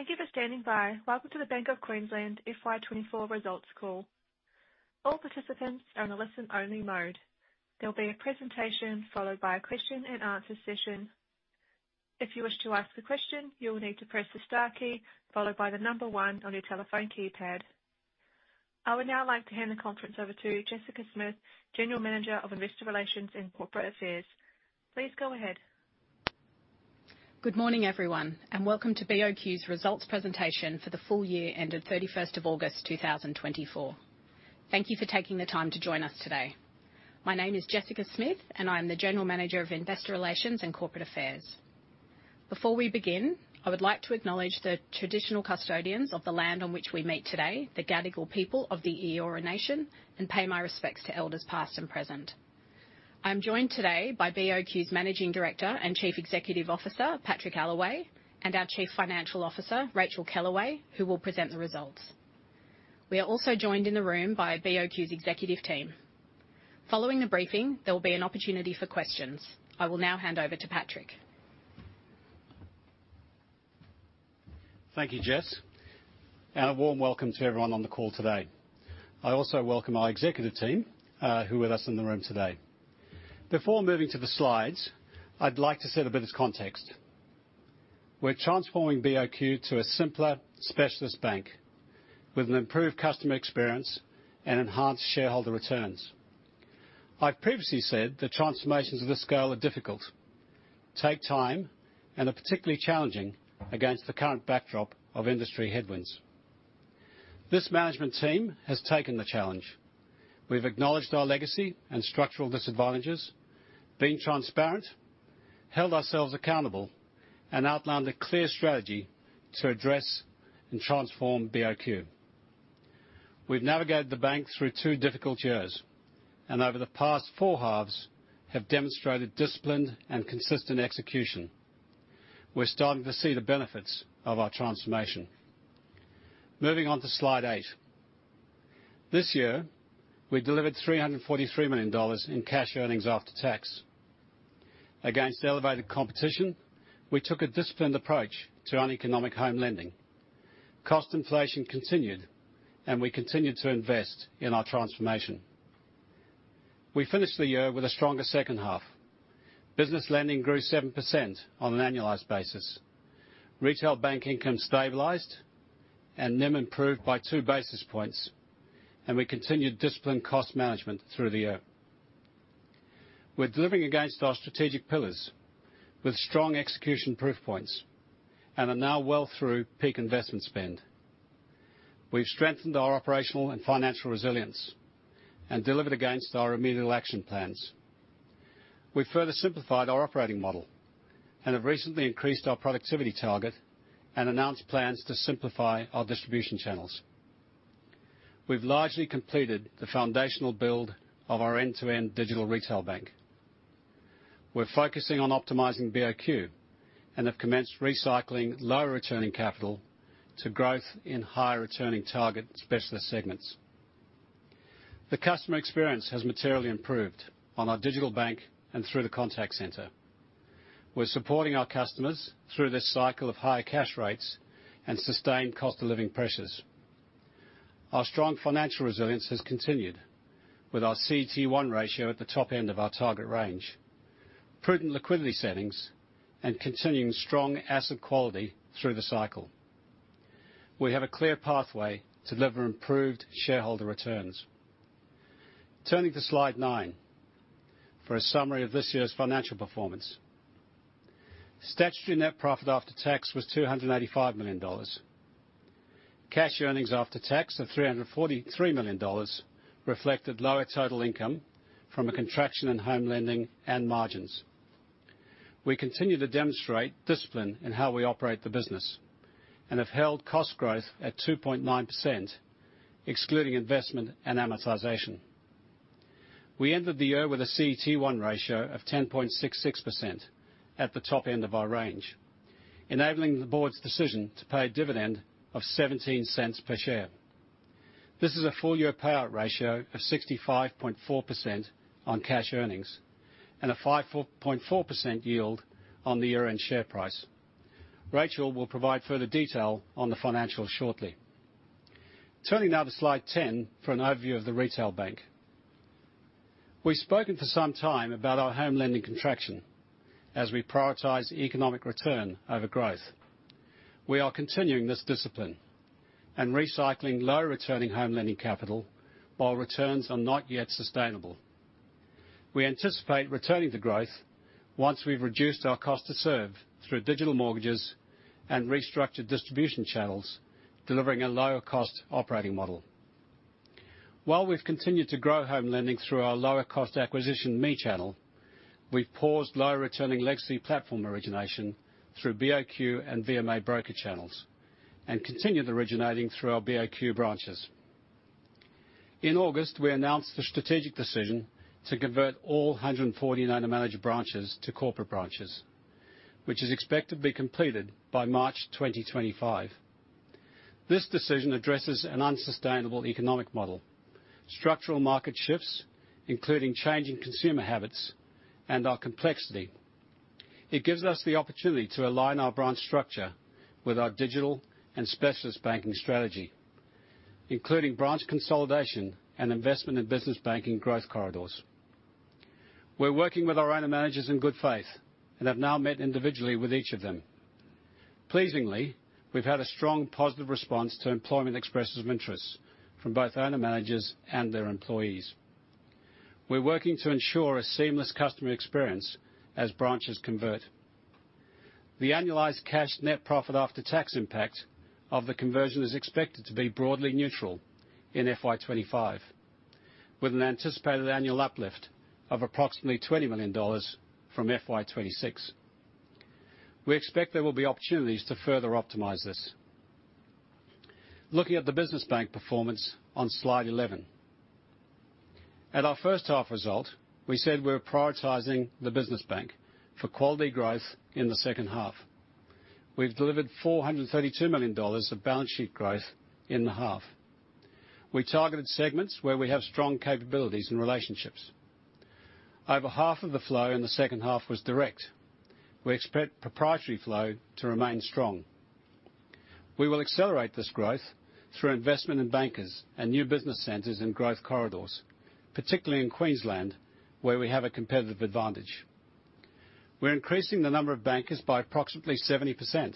Thank you for standing by. Welcome to the Bank of Queensland FY 2024 results call. All participants are on a listen-only mode. There will be a presentation followed by a question and answer session. If you wish to ask a question, you will need to press the star key followed by the number one on your telephone keypad. I would now like to hand the conference over to Jessica Smith, General Manager of Investor Relations and Corporate Affairs. Please go ahead. Good morning, everyone, and welcome to BOQ's results presentation for the full year ended 31st of August, 2024. Thank you for taking the time to join us today. My name is Jessica Smith, and I'm the General Manager of Investor Relations and Corporate Affairs. Before we begin, I would like to acknowledge the traditional custodians of the land on which we meet today, the Gadigal people of the Eora Nation, and pay my respects to elders, past and present. I'm joined today by BOQ's Managing Director and Chief Executive Officer, Patrick Allaway, and our Chief Financial Officer, Rachel Kellaway, who will present the results. We are also joined in the room by BOQ's executive team. Following the briefing, there will be an opportunity for questions. I will now hand over to Patrick. Thank you, Jess, and a warm welcome to everyone on the call today. I also welcome our executive team, who are with us in the room today. Before moving to the slides, I'd like to set a bit of context. We're transforming BOQ to a simpler specialist bank with an improved customer experience and enhanced shareholder returns. I've previously said that transformations of this scale are difficult, take time, and are particularly challenging against the current backdrop of industry headwinds. This management team has taken the challenge. We've acknowledged our legacy and structural disadvantages, been transparent, held ourselves accountable, and outlined a clear strategy to address and transform BOQ. We've navigated the bank through two difficult years, and over the past four halves, have demonstrated disciplined and consistent execution. We're starting to see the benefits of our transformation. Moving on to slide eight. This year, we delivered 343 million dollars in cash earnings after tax. Against elevated competition, we took a disciplined approach to our economic home lending. Cost inflation continued, and we continued to invest in our transformation. We finished the year with a stronger second half. Business lending grew 7% on an annualized basis. Retail bank income stabilized, and NIM improved by two basis points, and we continued disciplined cost management through the year. We're delivering against our strategic pillars with strong execution proof points and are now well through peak investment spend. We've strengthened our operational and financial resilience and delivered against our remedial action plans. We've further simplified our operating model and have recently increased our productivity target and announced plans to simplify our distribution channels. We've largely completed the foundational build of our end-to-end digital retail bank. We're focusing on optimizing BOQ and have commenced recycling lower returning capital to growth in higher returning target specialist segments. The customer experience has materially improved on our digital bank and through the contact center. We're supporting our customers through this cycle of higher cash rates and sustained cost of living pressures. Our strong financial resilience has continued, with our CET1 ratio at the top end of our target range, prudent liquidity settings, and continuing strong asset quality through the cycle. We have a clear pathway to deliver improved shareholder returns. Turning to slide nine for a summary of this year's financial performance. Statutory net profit after tax was 285 million dollars. Cash earnings after tax of 343 million dollars reflected lower total income from a contraction in home lending and margins. We continue to demonstrate discipline in how we operate the business and have held cost growth at 2.9%, excluding investment and amortization. We ended the year with a CET1 ratio of 10.66% at the top end of our range, enabling the board's decision to pay a dividend of 0.17 per share. This is a full-year payout ratio of 65.4% on cash earnings and a 54.4% yield on the year-end share price. Rachel will provide further detail on the financials shortly. Turning now to slide 10 for an overview of the retail bank. We've spoken for some time about our home lending contraction as we prioritize economic return over growth. We are continuing this discipline and recycling lower returning home lending capital while returns are not yet sustainable. We anticipate returning to growth once we've reduced our cost to serve through digital mortgages and restructured distribution channels, delivering a lower cost operating model. While we've continued to grow home lending through our lower cost acquisition ME channel, we've paused low returning legacy platform origination through BOQ and VMA broker channels and continued originating through our BOQ branches. In August, we announced the strategic decision to convert all 149 managed branches to corporate branches, which is expected to be completed by March 2025. This decision addresses an unsustainable economic model, structural market shifts, including changing consumer habits and our complexity. It gives us the opportunity to align our branch structure with our digital and specialist banking strategy, including branch consolidation and investment in business banking growth corridors. We're working with our owner managers in good faith, and have now met individually with each of them. Pleasingly, we've had a strong positive response to employment expressions of interest from both owner managers and their employees. We're working to ensure a seamless customer experience as branches convert. The annualized cash net profit after tax impact of the conversion is expected to be broadly neutral in FY 2025, with an anticipated annual uplift of approximately 20 million dollars from FY 2026. We expect there will be opportunities to further optimize this. Looking at the business bank performance on slide 11. At our first half result, we said we're prioritizing the business bank for quality growth in the second half. We've delivered 432 million dollars of balance sheet growth in the half. We targeted segments where we have strong capabilities and relationships. Over half of the flow in the second half was direct. We expect proprietary flow to remain strong. We will accelerate this growth through investment in bankers and new business centers in growth corridors, particularly in Queensland, where we have a competitive advantage. We're increasing the number of bankers by approximately 70%,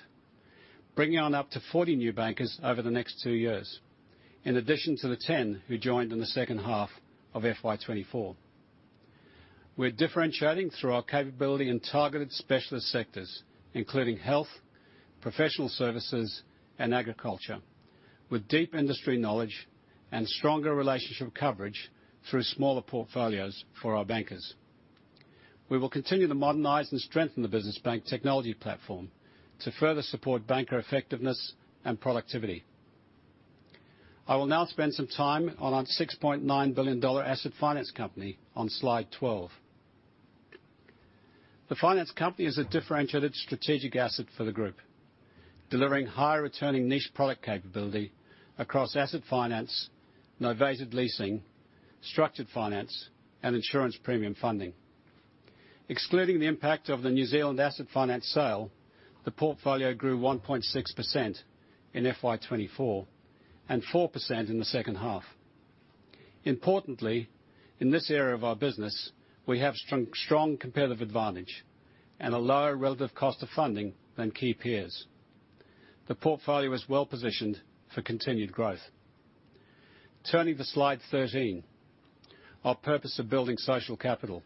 bringing on up to 40 new bankers over the next two years, in addition to the 10 who joined in the second half of FY 2024. We're differentiating through our capability in targeted specialist sectors, including health, professional services, and agriculture, with deep industry knowledge and stronger relationship coverage through smaller portfolios for our bankers. We will continue to modernize and strengthen the business bank technology platform to further support banker effectiveness and productivity. I will now spend some time on our 6.9 billion dollar asset finance company on slide 12. The finance company is a differentiated strategic asset for the group, delivering high-returning niche product capability across asset finance, novated leasing, structured finance, and insurance premium funding. Excluding the impact of the New Zealand asset finance sale, the portfolio grew 1.6% in FY 2024 and 4% in the second half. Importantly, in this area of our business, we have strong, strong competitive advantage and a lower relative cost of funding than key peers. The portfolio is well-positioned for continued growth. Turning to slide 13, our purpose of building social capital.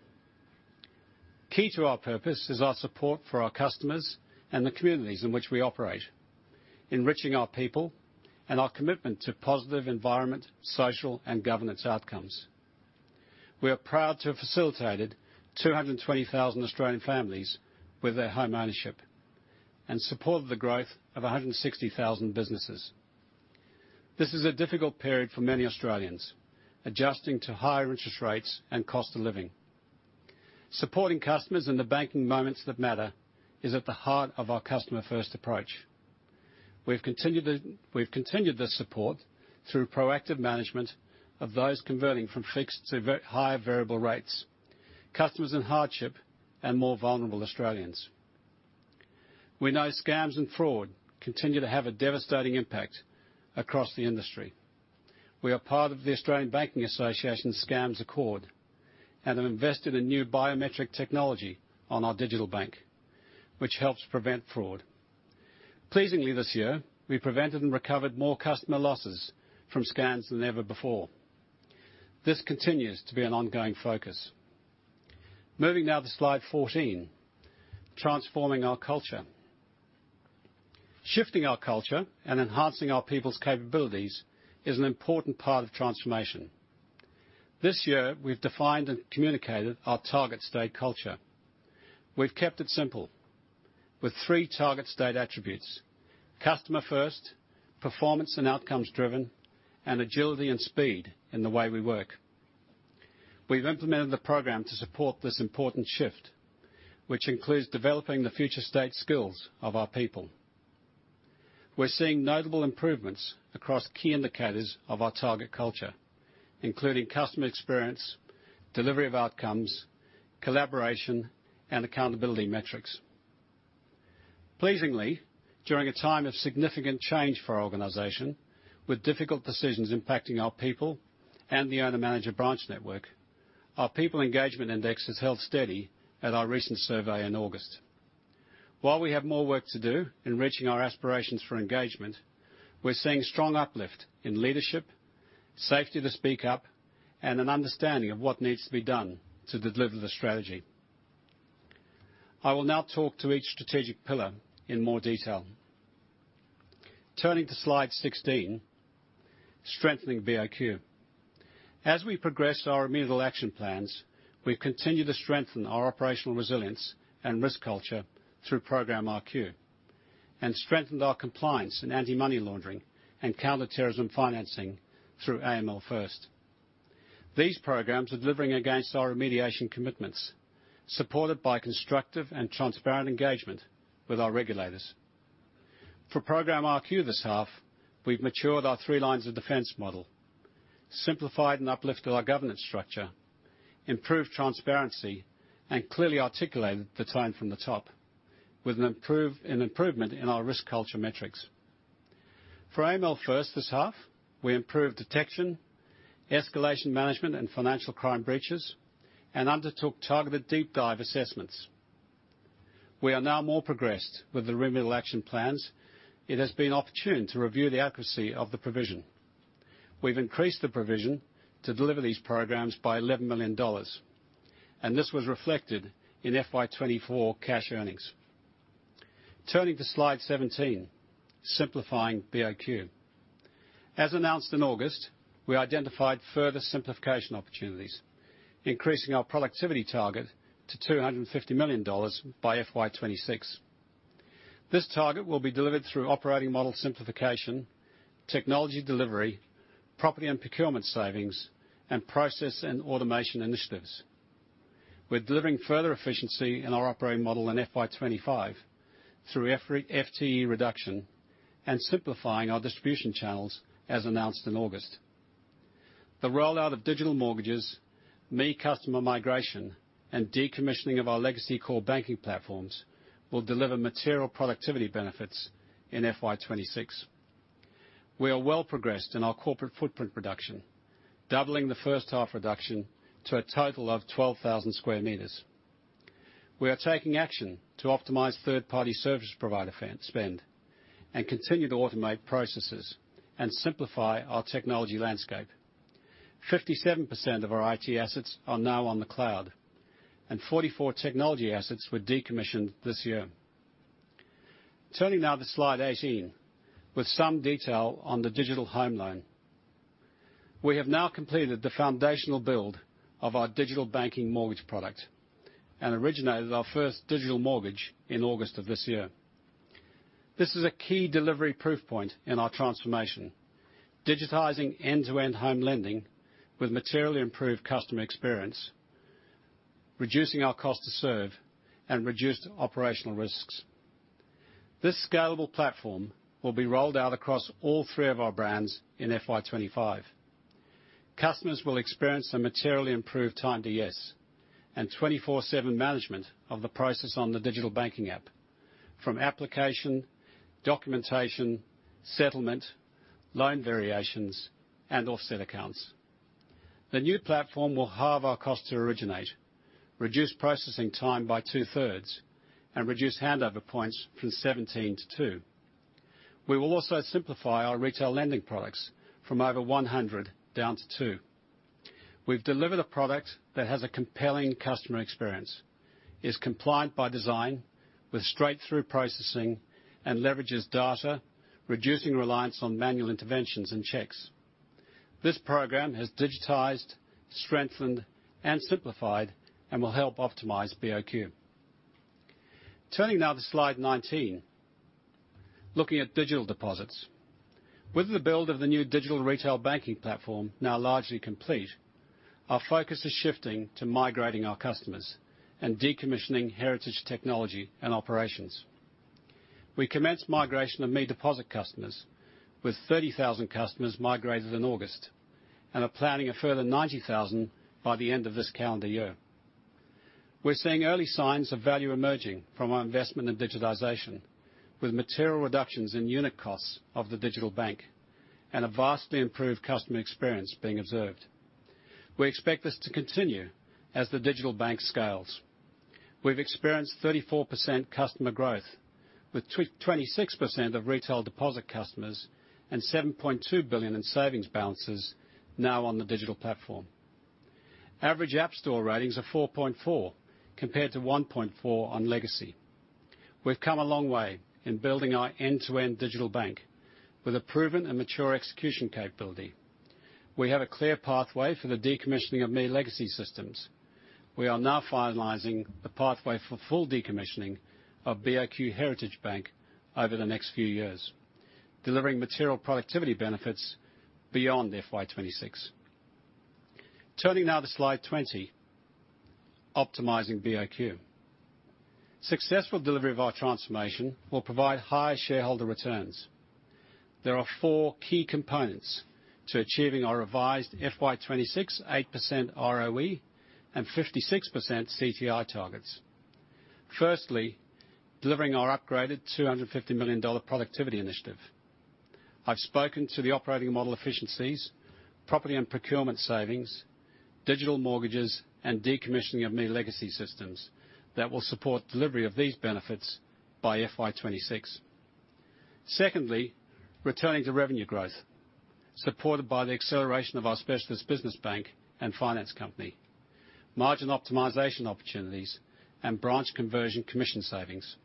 Key to our purpose is our support for our customers and the communities in which we operate, enriching our people, and our commitment to positive environment, social, and governance outcomes. We are proud to have facilitated 220,000 Australian families with their home ownership and supported the growth of 160,000 businesses. This is a difficult period for many Australians, adjusting to higher interest rates and cost of living. Supporting customers in the banking moments that matter is at the heart of our customer-first approach. We've continued this support through proactive management of those converting from fixed to very high variable rates, customers in hardship, and more vulnerable Australians. We know scams and fraud continue to have a devastating impact across the industry. We are part of the Australian Banking Association Scams Accord, and have invested in new biometric technology on our digital bank, which helps prevent fraud. Pleasingly, this year, we prevented and recovered more customer losses from scams than ever before. This continues to be an ongoing focus. Moving now to slide 14, transforming our culture. Shifting our culture and enhancing our people's capabilities is an important part of transformation. This year, we've defined and communicated our target state culture. We've kept it simple with three target state attributes: customer first, performance and outcomes driven, and agility and speed in the way we work. We've implemented the program to support this important shift, which includes developing the future state skills of our people. We're seeing notable improvements across key indicators of our target culture, including customer experience, delivery of outcomes, collaboration, and accountability metrics. Pleasingly, during a time of significant change for our organization, with difficult decisions impacting our people and the owner-manager branch network, our people engagement index has held steady at our recent survey in August. While we have more work to do in reaching our aspirations for engagement, we're seeing strong uplift in leadership, safety to speak up, and an understanding of what needs to be done to deliver the strategy. I will now talk to each strategic pillar in more detail. Turning to Slide 16, strengthening BOQ. As we progress our immediate action plans, we've continued to strengthen our operational resilience and risk culture through Program rQ and strengthened our compliance in anti-money laundering and counter-terrorism financing through AML First. These programs are delivering against our remediation commitments, supported by constructive and transparent engagement with our regulators. For Program rQ this half, we've matured our three lines of defense model, simplified and uplifted our governance structure, improved transparency, and clearly articulated the tone from the top with an improvement in our risk culture metrics. For AML First this half, we improved detection, escalation management, and financial crime breaches, and undertook targeted deep dive assessments. We are now more progressed with the remedial action plans. It has been opportune to review the accuracy of the provision. We've increased the provision to deliver these programs by 11 million dollars, and this was reflected in FY 2024 cash earnings. Turning to slide 17, simplifying BOQ. As announced in August, we identified further simplification opportunities, increasing our productivity target to 250 million dollars by FY 2026. This target will be delivered through operating model simplification, technology delivery, property and procurement savings, and process and automation initiatives. We're delivering further efficiency in our operating model in FY 2025 through FTE reduction and simplifying our distribution channels, as announced in August. The rollout of digital mortgages, ME customer migration, and decommissioning of our legacy core banking platforms will deliver material productivity benefits in FY 2026. We are well progressed in our corporate footprint reduction, doubling the first half reduction to a total of 12,000 sq m. We are taking action to optimize third-party service provider vendor spend, and continue to automate processes and simplify our technology landscape. 57% of our IT assets are now on the cloud, and 44 technology assets were decommissioned this year. Turning now to slide 18, with some detail on the digital home loan. We have now completed the foundational build of our digital banking mortgage product and originated our first digital mortgage in August of this year. This is a key delivery proof point in our transformation, digitizing end-to-end home lending with materially improved customer experience, reducing our cost to serve and reduced operational risks. This scalable platform will be rolled out across all three of our brands in FY 2025. Customers will experience a materially improved time to yes, and 24/7 management of the process on the digital banking app, from application, documentation, settlement, loan variations, and offset accounts. The new platform will halve our cost to originate, reduce processing time by two-thirds, and reduce handover points from 17 to two. We will also simplify our retail lending products from over 100 down to two. We've delivered a product that has a compelling customer experience, is compliant by design with straight-through processing, and leverages data, reducing reliance on manual interventions and checks. This program has digitized, strengthened, and simplified and will help optimize BOQ. Turning now to slide 19, looking at digital deposits. With the build of the new digital retail banking platform now largely complete, our focus is shifting to migrating our customers and decommissioning heritage technology and operations. We commenced migration of ME deposit customers, with 30,000 customers migrated in August, and are planning a further 90,000 by the end of this calendar year. We're seeing early signs of value emerging from our investment in digitization, with material reductions in unit costs of the digital bank and a vastly improved customer experience being observed. We expect this to continue as the digital bank scales. We've experienced 34% customer growth, with 26% of retail deposit customers and 7.2 billion in savings balances now on the digital platform. Average app store ratings are 4.4, compared to 1.4 on legacy. We've come a long way in building our end-to-end digital bank with a proven and mature execution capability. We have a clear pathway for the decommissioning of ME legacy systems. We are now finalizing the pathway for full decommissioning of BOQ heritage bank over the next few years, delivering material productivity benefits beyond FY 2026. Turning now to slide 20, optimizing BOQ. Successful delivery of our transformation will provide high shareholder returns. There are four key components to achieving our revised FY 2026 8% ROE and 56% CTI targets. Firstly, delivering our upgraded 250 million dollar productivity initiative. I've spoken to the operating model efficiencies, property and procurement savings, digital mortgages, and decommissioning of ME legacy systems that will support delivery of these benefits by FY 2026. Secondly, returning to revenue growth, supported by the acceleration of our specialist business bank and finance company, margin optimization opportunities, and branch conversion commission savings.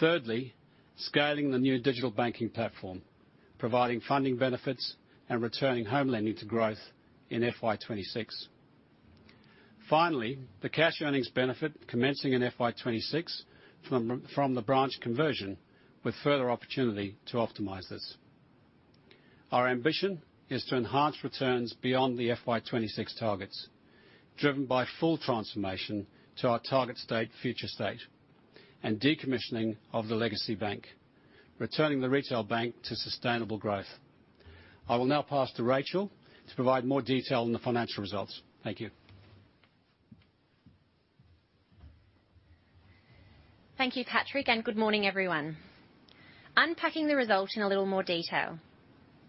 Thirdly, scaling the new digital banking platform, providing funding benefits and returning home lending to growth in FY 2026. Finally, the cash earnings benefit commencing in FY 2026 from the branch conversion, with further opportunity to optimize this. Our ambition is to enhance returns beyond the FY 2026 targets, driven by full transformation to our target state, future state, and decommissioning of the legacy bank, returning the retail bank to sustainable growth. I will now pass to Rachel to provide more detail on the financial results. Thank you. Thank you, Patrick, and good morning, everyone. Unpacking the result in a little more detail,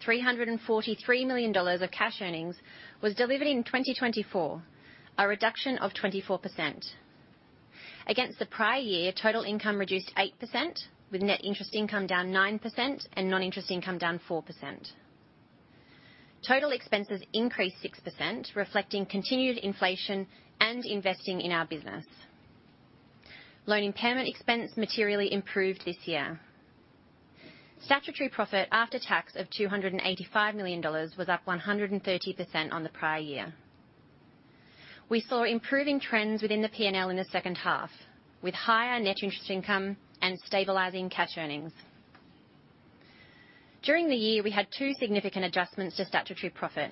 343 million dollars of cash earnings was delivered in 2024, a reduction of 24%. Against the prior year, total income reduced 8%, with net interest income down 9% and non-interest income down 4%. Total expenses increased 6%, reflecting continued inflation and investing in our business. Loan impairment expense materially improved this year. Statutory profit after tax of 285 million dollars was up 130% on the prior year. We saw improving trends within the P&L in the second half, with higher net interest income and stabilizing cash earnings. During the year, we had two significant adjustments to statutory profit.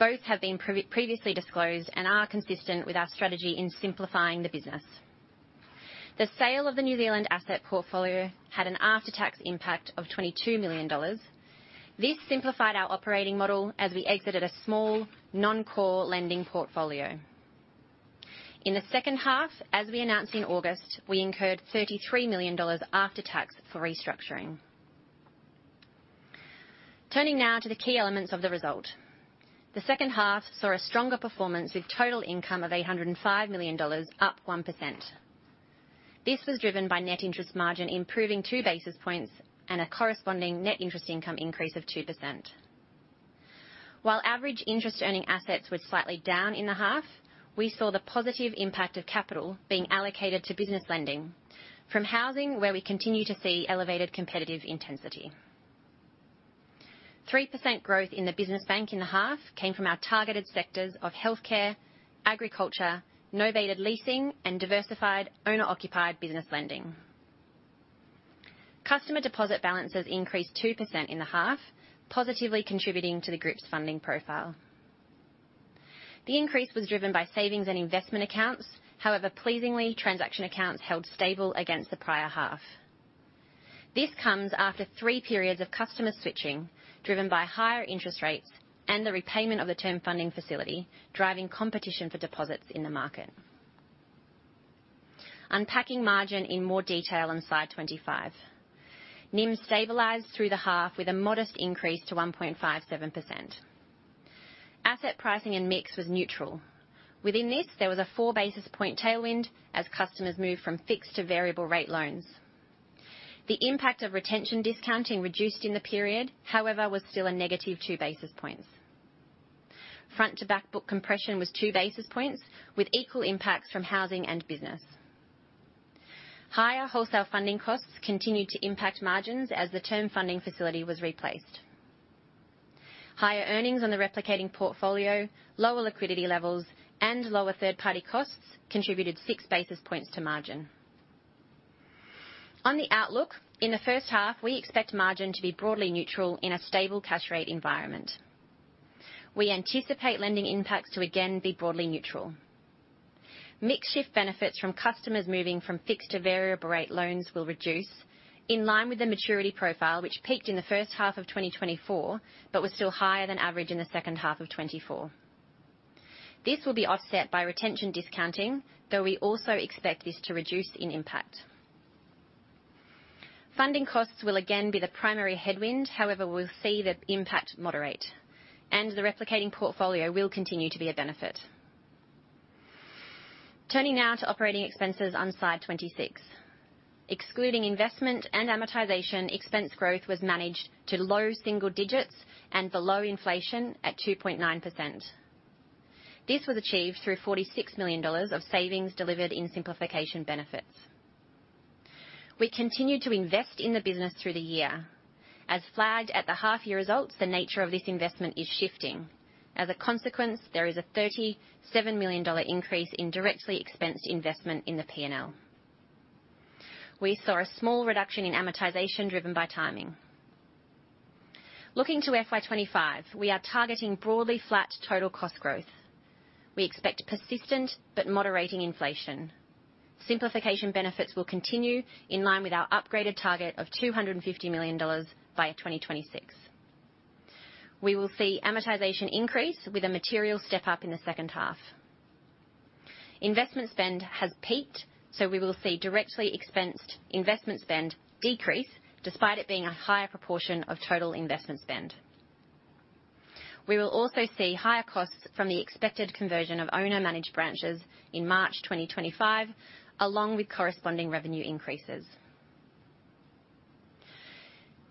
Both have been previously disclosed and are consistent with our strategy in simplifying the business. The sale of the New Zealand asset portfolio had an after-tax impact of 22 million dollars. This simplified our operating model as we exited a small, non-core lending portfolio. In the second half, as we announced in August, we incurred 33 million dollars after tax for restructuring. Turning now to the key elements of the result. The second half saw a stronger performance, with total income of 805 million dollars, up 1%. This was driven by net interest margin, improving two basis points and a corresponding net interest income increase of 2%. While average interest earning assets were slightly down in the half, we saw the positive impact of capital being allocated to business lending from housing, where we continue to see elevated competitive intensity. 3% growth in the business bank in the half came from our targeted sectors of healthcare, agriculture, novated leasing, and diversified owner-occupied business lending. Customer deposit balances increased 2% in the half, positively contributing to the group's funding profile. The increase was driven by savings and investment accounts. However, pleasingly, transaction accounts held stable against the prior half. This comes after three periods of customer switching, driven by higher interest rates and the repayment of the Term Funding Facility, driving competition for deposits in the market. Unpacking margin in more detail on slide 25. NIM stabilized through the half with a modest increase to 1.57%. Asset pricing and mix was neutral. Within this, there was a four-basis-point tailwind as customers moved from fixed to variable rate loans. The impact of retention discounting reduced in the period, however, was still a negative two basis points. Front to back book compression was two basis points, with equal impacts from housing and business. Higher wholesale funding costs continued to impact margins as the Term Funding Facility was replaced. Higher earnings on the replicating portfolio, lower liquidity levels, and lower third-party costs contributed six basis points to margin. On the outlook, in the first half, we expect margin to be broadly neutral in a stable cash rate environment. We anticipate lending impacts to again, be broadly neutral. Mix shift benefits from customers moving from fixed to variable rate loans will reduce in line with the maturity profile, which peaked in the first half of 2024, but was still higher than average in the second half of 2024. This will be offset by retention discounting, though we also expect this to reduce in impact. Funding costs will again be the primary headwind. However, we'll see the impact moderate, and the replicating portfolio will continue to be a benefit. Turning now to operating expenses on slide 26. Excluding investment and amortization, expense growth was managed to low single digits and below inflation at 2.9%. This was achieved through 46 million dollars of savings delivered in simplification benefits. We continued to invest in the business through the year. As flagged at the half-year results, the nature of this investment is shifting. As a consequence, there is a AUD 37 million increase in directly expensed investment in the P&L. We saw a small reduction in amortization, driven by timing. Looking to FY 2025, we are targeting broadly flat total cost growth. We expect persistent but moderating inflation. Simplification benefits will continue in line with our upgraded target of 250 million dollars by 2026. We will see amortization increase with a material step-up in the second half. Investment spend has peaked, so we will see directly expensed investment spend decrease, despite it being a higher proportion of total investment spend. We will also see higher costs from the expected conversion of owner-managed branches in March 2025, along with corresponding revenue increases.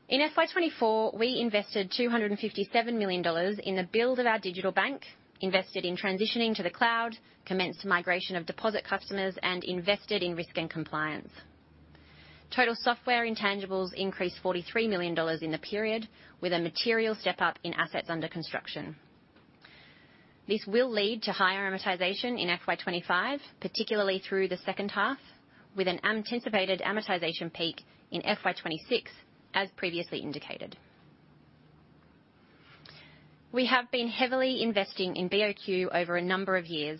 In FY 2024, we invested 257 million dollars in the build of our digital bank, invested in transitioning to the cloud, commenced migration of deposit customers, and invested in risk and compliance. Total software intangibles increased 43 million dollars in the period, with a material step-up in assets under construction. This will lead to higher amortization in FY 2025, particularly through the second half, with an anticipated amortization peak in FY 2026, as previously indicated. We have been heavily investing in BOQ over a number of years,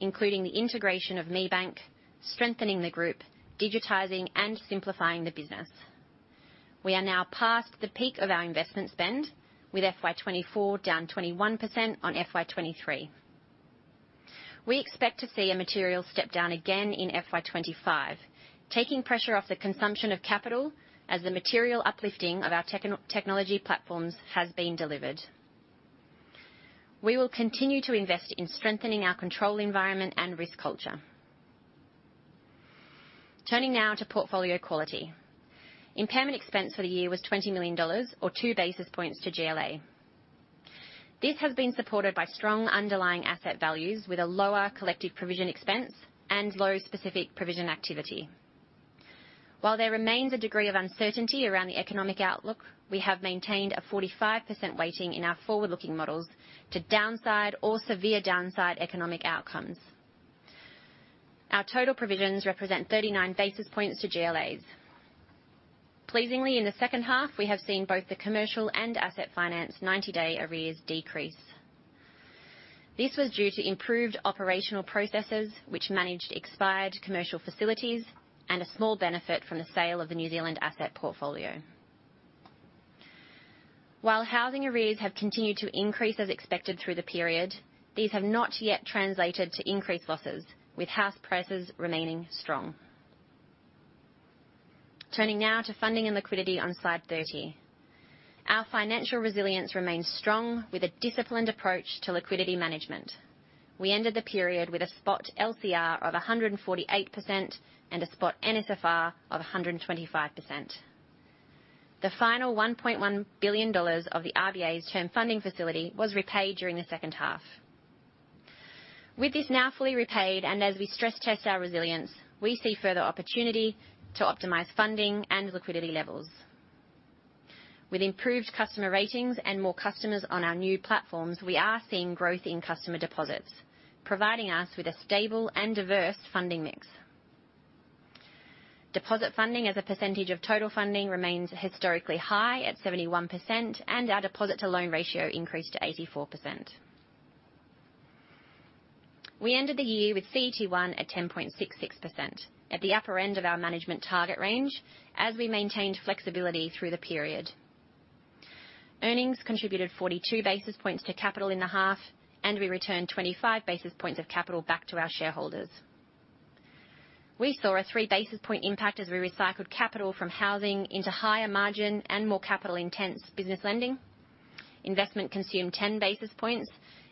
including the integration of ME Bank, strengthening the group, digitizing and simplifying the business. We are now past the peak of our investment spend, with FY 2024 down 21% on FY 2023. We expect to see a material step down again in FY 2025, taking pressure off the consumption of capital as the material uplifting of our technology platforms has been delivered. We will continue to invest in strengthening our control environment and risk culture. Turning now to portfolio quality. Impairment expense for the year was 20 million dollars, or two basis points to GLA. This has been supported by strong underlying asset values with a lower collective provision expense and low specific provision activity. While there remains a degree of uncertainty around the economic outlook, we have maintained a 45% weighting in our forward-looking models to downside or severe downside economic outcomes. Our total provisions represent 39 basis points to GLAs. Pleasingly, in the second half, we have seen both the commercial and asset finance 90-day arrears decrease. This was due to improved operational processes, which managed expired commercial facilities and a small benefit from the sale of the New Zealand asset portfolio. While housing arrears have continued to increase as expected through the period, these have not yet translated to increased losses, with house prices remaining strong. Turning now to funding and liquidity on Slide 30. Our financial resilience remains strong with a disciplined approach to liquidity management. We ended the period with a spot LCR of 148% and a spot NSFR of 125%. The final 1.1 billion dollars of the RBA's term funding facility was repaid during the second half. With this now fully repaid, and as we stress test our resilience, we see further opportunity to optimize funding and liquidity levels. With improved customer ratings and more customers on our new platforms, we are seeing growth in customer deposits, providing us with a stable and diverse funding mix. Deposit funding as a percentage of total funding remains historically high at 71%, and our deposit to loan ratio increased to 84%. We ended the year with CET1 at 10.66%, at the upper end of our management target range, as we maintained flexibility through the period. Earnings contributed 42 basis points to capital in the half, and we returned 25 basis points of capital back to our shareholders. We saw a three basis point impact as we recycled capital from housing into higher margin and more capital intense business lending. Investment consumed 10 basis points,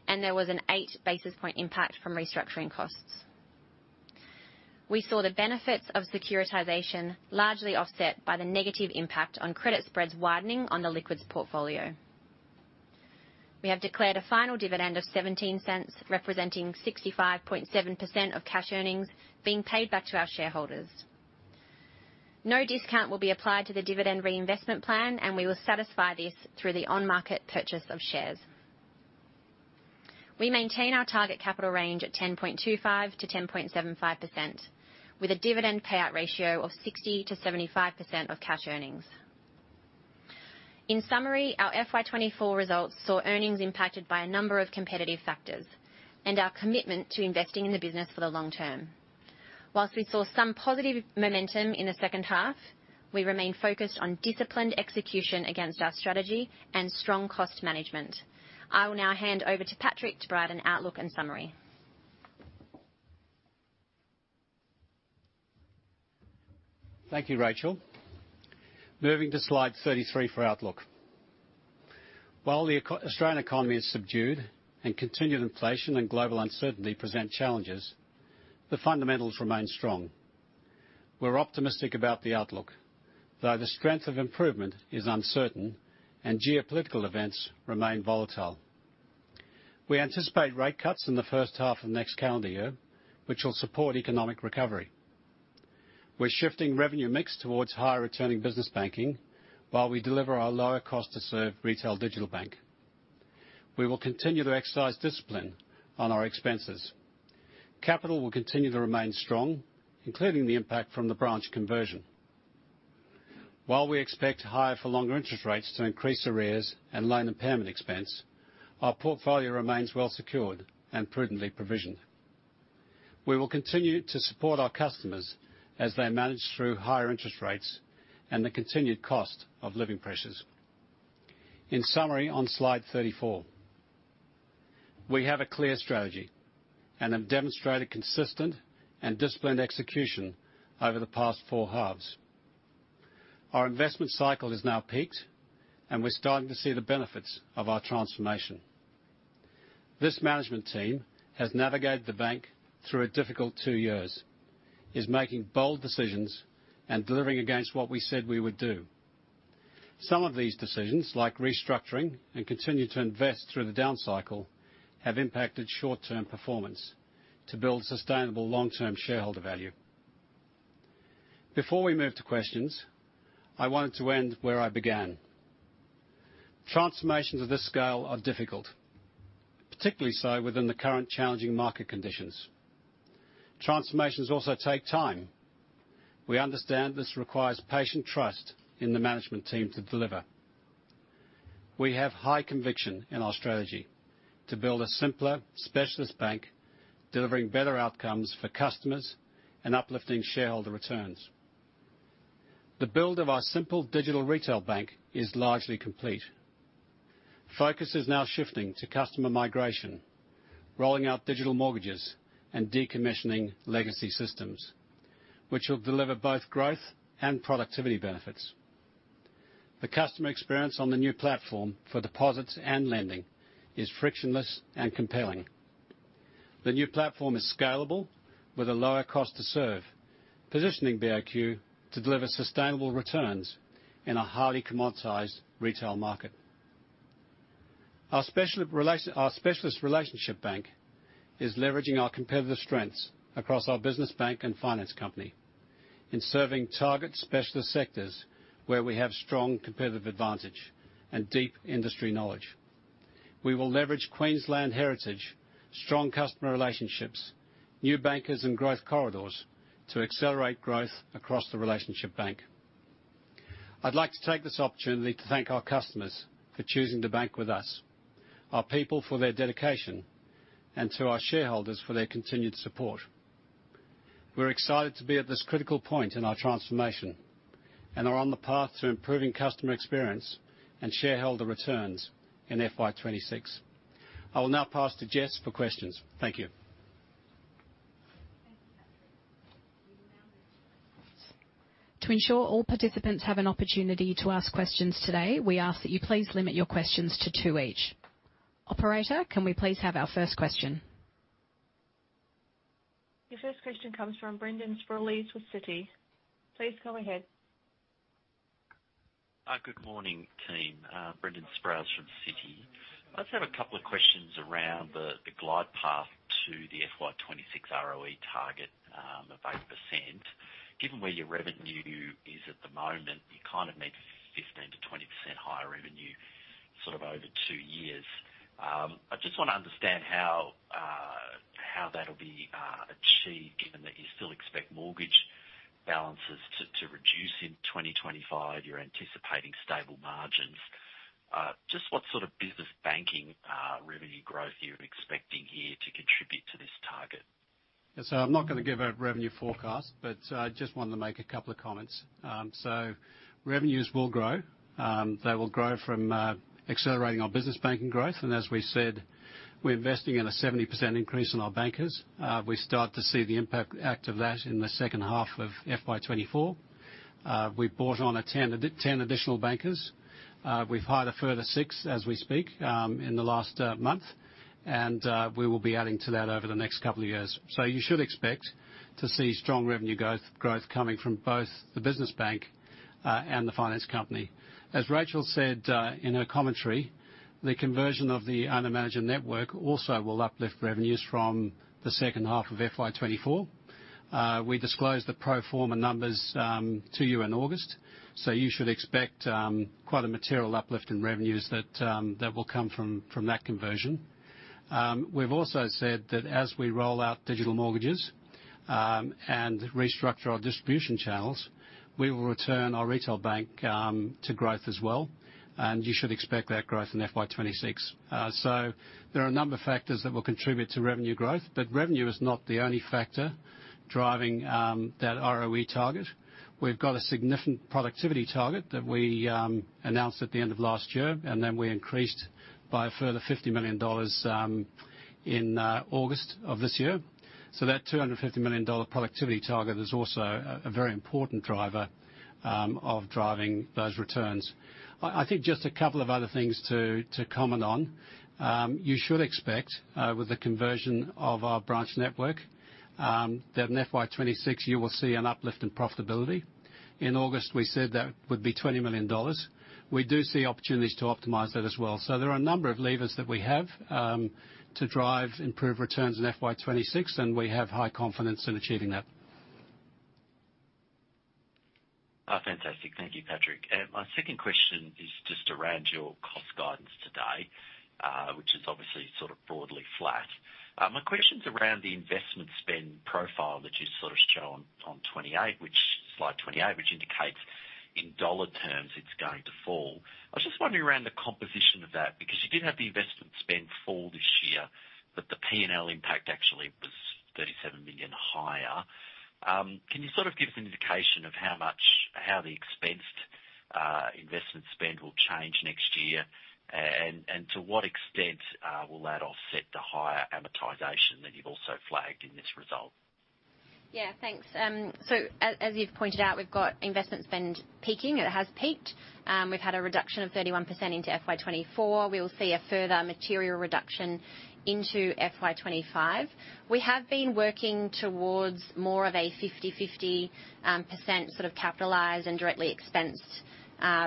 and there was an eight basis point impact from restructuring costs. We saw the benefits of securitization largely offset by the negative impact on credit spreads widening on the liquids portfolio. We have declared a final dividend of 0.17, representing 65.7% of cash earnings being paid back to our shareholders. No discount will be applied to the dividend reinvestment plan, and we will satisfy this through the on-market purchase of shares. We maintain our target capital range at 10.25%-10.75%, with a dividend payout ratio of 60%-75% of cash earnings. In summary, our FY 2024 results saw earnings impacted by a number of competitive factors and our commitment to investing in the business for the long term. While we saw some positive momentum in the second half, we remain focused on disciplined execution against our strategy and strong cost management. I will now hand over to Patrick to provide an outlook and summary. Thank you, Rachel. Moving to Slide 33 for outlook. While the Australian economy is subdued and continued inflation and global uncertainty present challenges, the fundamentals remain strong. We're optimistic about the outlook, though the strength of improvement is uncertain and geopolitical events remain volatile. We anticipate rate cuts in the first half of next calendar year, which will support economic recovery. We're shifting revenue mix towards higher returning business banking while we deliver our lower cost to serve retail digital bank. We will continue to exercise discipline on our expenses. Capital will continue to remain strong, including the impact from the branch conversion. While we expect higher for longer interest rates to increase arrears and loan impairment expense, our portfolio remains well secured and prudently provisioned. We will continue to support our customers as they manage through higher interest rates and the continued cost of living pressures. In summary, on Slide 34, we have a clear strategy and have demonstrated consistent and disciplined execution over the past four halves. Our investment cycle has now peaked, and we're starting to see the benefits of our transformation. This management team has navigated the bank through a difficult two years, is making bold decisions and delivering against what we said we would do. Some of these decisions, like restructuring and continuing to invest through the down cycle, have impacted short-term performance to build sustainable long-term shareholder value. Before we move to questions, I wanted to end where I began. Transformations of this scale are difficult, particularly so within the current challenging market conditions. Transformations also take time. We understand this requires patient trust in the management team to deliver. We have high conviction in our strategy to build a simpler specialist bank, delivering better outcomes for customers and uplifting shareholder returns. The build of our simple digital retail bank is largely complete. Focus is now shifting to customer migration, rolling out digital mortgages, and decommissioning legacy systems, which will deliver both growth and productivity benefits. The customer experience on the new platform for deposits and lending is frictionless and compelling. The new platform is scalable with a lower cost to serve, positioning BOQ to deliver sustainable returns in a highly commoditized retail market. Our specialist relationship bank is leveraging our competitive strengths across our business bank and finance company in serving target specialist sectors where we have strong competitive advantage and deep industry knowledge. We will leverage Queensland heritage, strong customer relationships, new bankers and growth corridors to accelerate growth across the relationship bank. I'd like to take this opportunity to thank our customers for choosing to bank with us, our people, for their dedication, and to our shareholders for their continued support. We're excited to be at this critical point in our transformation and are on the path to improving customer experience and shareholder returns in FY 2026. I will now pass to Jess for questions. Thank you. To ensure all participants have an opportunity to ask questions today, we ask that you please limit your questions to two each. Operator, can we please have our first question? Your first question comes from Brendan Sproules with Citi. Please go ahead. Good morning, team. Brendan Sproules from Citi. I just have a couple of questions around the glide path to the FY 2026 ROE target of 8%. Given where your revenue is at the moment, you kind of need 15%-20% higher revenue, sort of over two years. I just want to understand how that'll be achieved, given that you still expect mortgage balances to reduce in 2025. You're anticipating stable margins. Just what sort of business banking revenue growth are you expecting here to contribute to this target? I'm not going to give a revenue forecast, but, I just wanted to make a couple of comments, so revenues will grow. They will grow from accelerating our business banking growth. And as we said, we're investing in a 70% increase in our bankers. We start to see the impact of that in the second half of FY 2024. We brought on 10 additional bankers. We've hired a further six as we speak, in the last month, and we will be adding to that over the next couple of years, so you should expect to see strong revenue growth, growth coming from both the business bank, and the finance company. As Rachel said, in her commentary, the conversion of the owner-manager network also will uplift revenues from the second half of FY 2024. We disclosed the pro forma numbers to you in August, so you should expect quite a material uplift in revenues that will come from that conversion. We've also said that as we roll out digital mortgages and restructure our distribution channels, we will return our retail bank to growth as well, and you should expect that growth in FY 2026. So there are a number of factors that will contribute to revenue growth, but revenue is not the only factor driving that ROE target. We've got a significant productivity target that we announced at the end of last year, and then we increased by a further 50 million dollars in August of this year. So that 250 million dollar productivity target is also a very important driver of driving those returns. I think just a couple of other things to comment on. You should expect, with the conversion of our branch network, that in FY 2026 you will see an uplift in profitability. In August, we said that would be 20 million dollars. We do see opportunities to optimize that as well. So there are a number of levers that we have, to drive improved returns in FY 2026, and we have high confidence in achieving that. Fantastic. Thank you, Patrick. And my second question is just around your cost guidance today, which is obviously sort of broadly flat. My question's around the investment spend profile, which you sort of show on 28, slide 28, which indicates, in dollar terms, it's going to fall. I was just wondering around the composition of that, because you did have the investment spend fall this year, but the P&L impact actually was 37 million higher. Can you sort of give us an indication of how the expensed investment spend will change next year, and to what extent will that offset the higher amortization that you've also flagged in this result? ... Yeah, thanks. So as you've pointed out, we've got investment spend peaking, it has peaked. We've had a reduction of 31% into FY 2024. We will see a further material reduction into FY 2025. We have been working towards more of a 50/50 percent sort of capitalized and directly expensed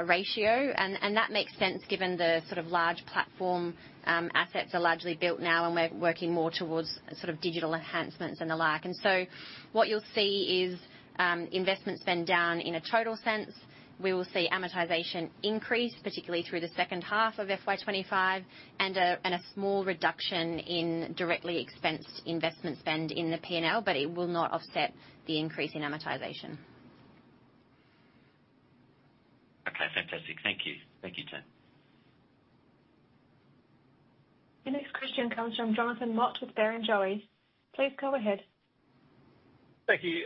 ratio. And that makes sense given the sort of large platform assets are largely built now, and we're working more towards sort of digital enhancements and the like. And so what you'll see is investment spend down in a total sense. We will see amortization increase, particularly through the second half of FY 2025, and a small reduction in directly expensed investment spend in the P&L, but it will not offset the increase in amortization. Okay, fantastic. Thank you. Thank you, Tar. The next question comes from Jonathan Mott with Barrenjoey. Please go ahead. Thank you.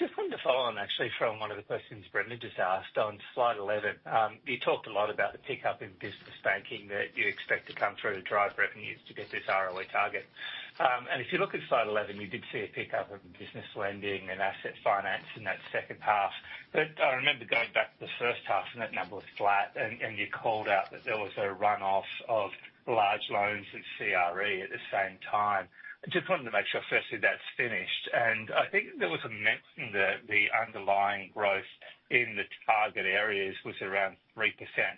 Just wanted to follow on, actually, from one of the questions Brendan just asked. On slide 11, you talked a lot about the pickup in business banking that you expect to come through to drive revenues to get this ROE target. And if you look at slide 11, you did see a pickup of business lending and asset finance in that second half. But I remember going back to the first half, and that number was flat, and you called out that there was a run-off of large loans and CRE at the same time. I just wanted to make sure, firstly, that's finished. And I think there was a mention that the underlying growth in the target areas was around 3%.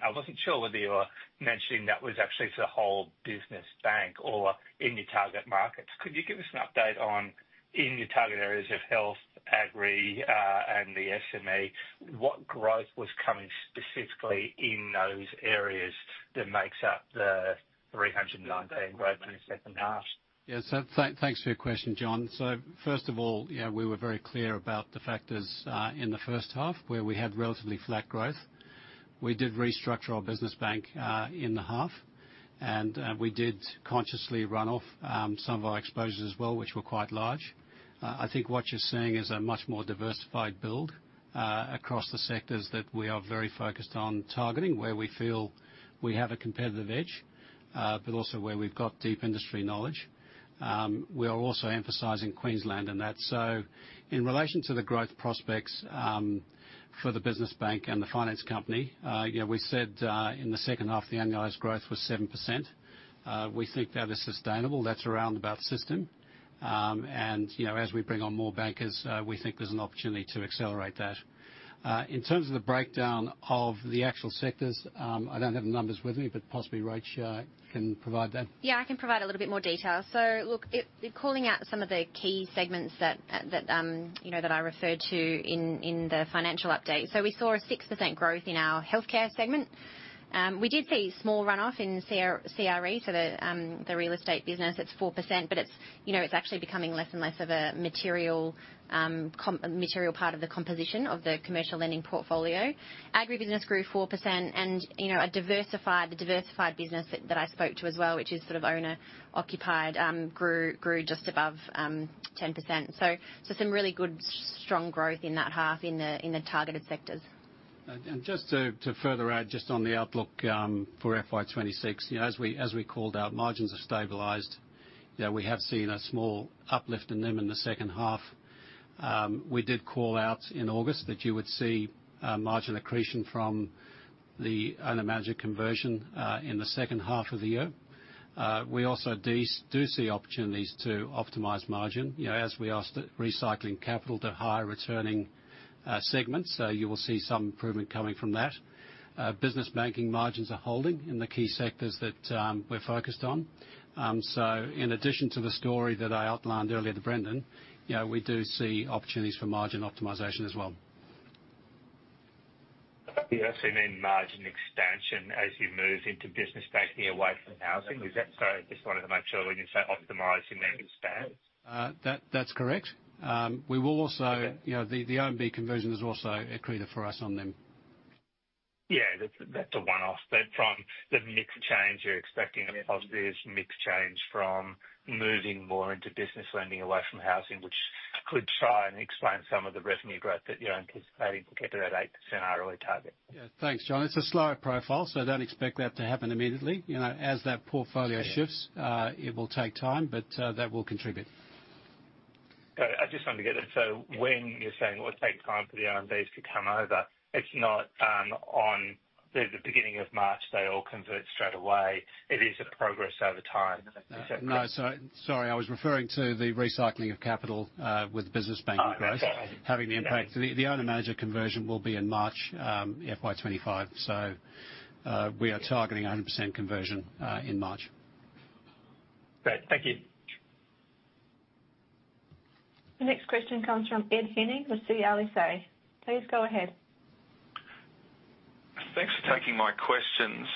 I wasn't sure whether you were mentioning that was actually the whole business bank or in your target markets. Could you give us an update on, in your target areas of health, agri, and the SME, what growth was coming specifically in those areas that makes up the 319 growth in the second half? Yeah, so thanks for your question, John. So first of all, you know, we were very clear about the factors in the first half, where we had relatively flat growth. We did restructure our business bank in the half, and we did consciously run off some of our exposures as well, which were quite large. I think what you're seeing is a much more diversified build across the sectors that we are very focused on targeting, where we feel we have a competitive edge, but also where we've got deep industry knowledge. We are also emphasizing Queensland in that. So in relation to the growth prospects for the business bank and the finance company, you know, we said in the second half, the annualized growth was 7%. We think that is sustainable. That's around about the system. And, you know, as we bring on more bankers, we think there's an opportunity to accelerate that. In terms of the breakdown of the actual sectors, I don't have the numbers with me, but possibly Rach can provide that. Yeah, I can provide a little bit more detail. So look, it's calling out some of the key segments that, you know, that I referred to in the financial update. So we saw a 6% growth in our healthcare segment. We did see small run-off in CRE, so the real estate business, it's 4%, but it's, you know, it's actually becoming less and less of a material part of the composition of the commercial lending portfolio. Agribusiness grew 4%, and, you know, the diversified business that I spoke to as well, which is sort of owner-occupied, grew just above 10%. So some really good, strong growth in that half in the targeted sectors. Just on the outlook for FY 2026, you know, as we called out, margins have stabilized. You know, we have seen a small uplift in them in the second half. We did call out in August that you would see margin accretion from the owner-managed conversion in the second half of the year. We also do see opportunities to optimize margin, you know, as we are recycling capital to higher returning segments. So you will see some improvement coming from that. Business banking margins are holding in the key sectors that we're focused on. So in addition to the story that I outlined earlier to Brendan, you know, we do see opportunities for margin optimization as well. Yeah, so then margin expansion as you move into business banking away from housing, is that so? I just wanted to make sure when you say optimizing, that expands. That's correct. We will also you know, the OMB conversion has also accreted for us on them. Yeah, that's a one-off. But from the mix change, you're expecting a positive mix change from moving more into business lending away from housing, which could try and explain some of the revenue growth that you're anticipating to get to that 8% ROE target. Yeah. Thanks, John. It's a slower profile, so don't expect that to happen immediately. You know, as that portfolio shifts it will take time, but that will contribute. Okay, I just want to get this. So when you're saying it will take time for the OMBs to come over, it's not, on the beginning of March, they all convert straight away. It is a progress over time. Is that correct? No. So... Sorry, I was referring to the recycling of capital, with business banking growth having the impact. The owner manager conversion will be in March, FY 2025. So, we are targeting a 100% conversion in March. Great. Thank you. The next question comes from Ed Henning with CLSA. Please go ahead. Thanks for taking my questions.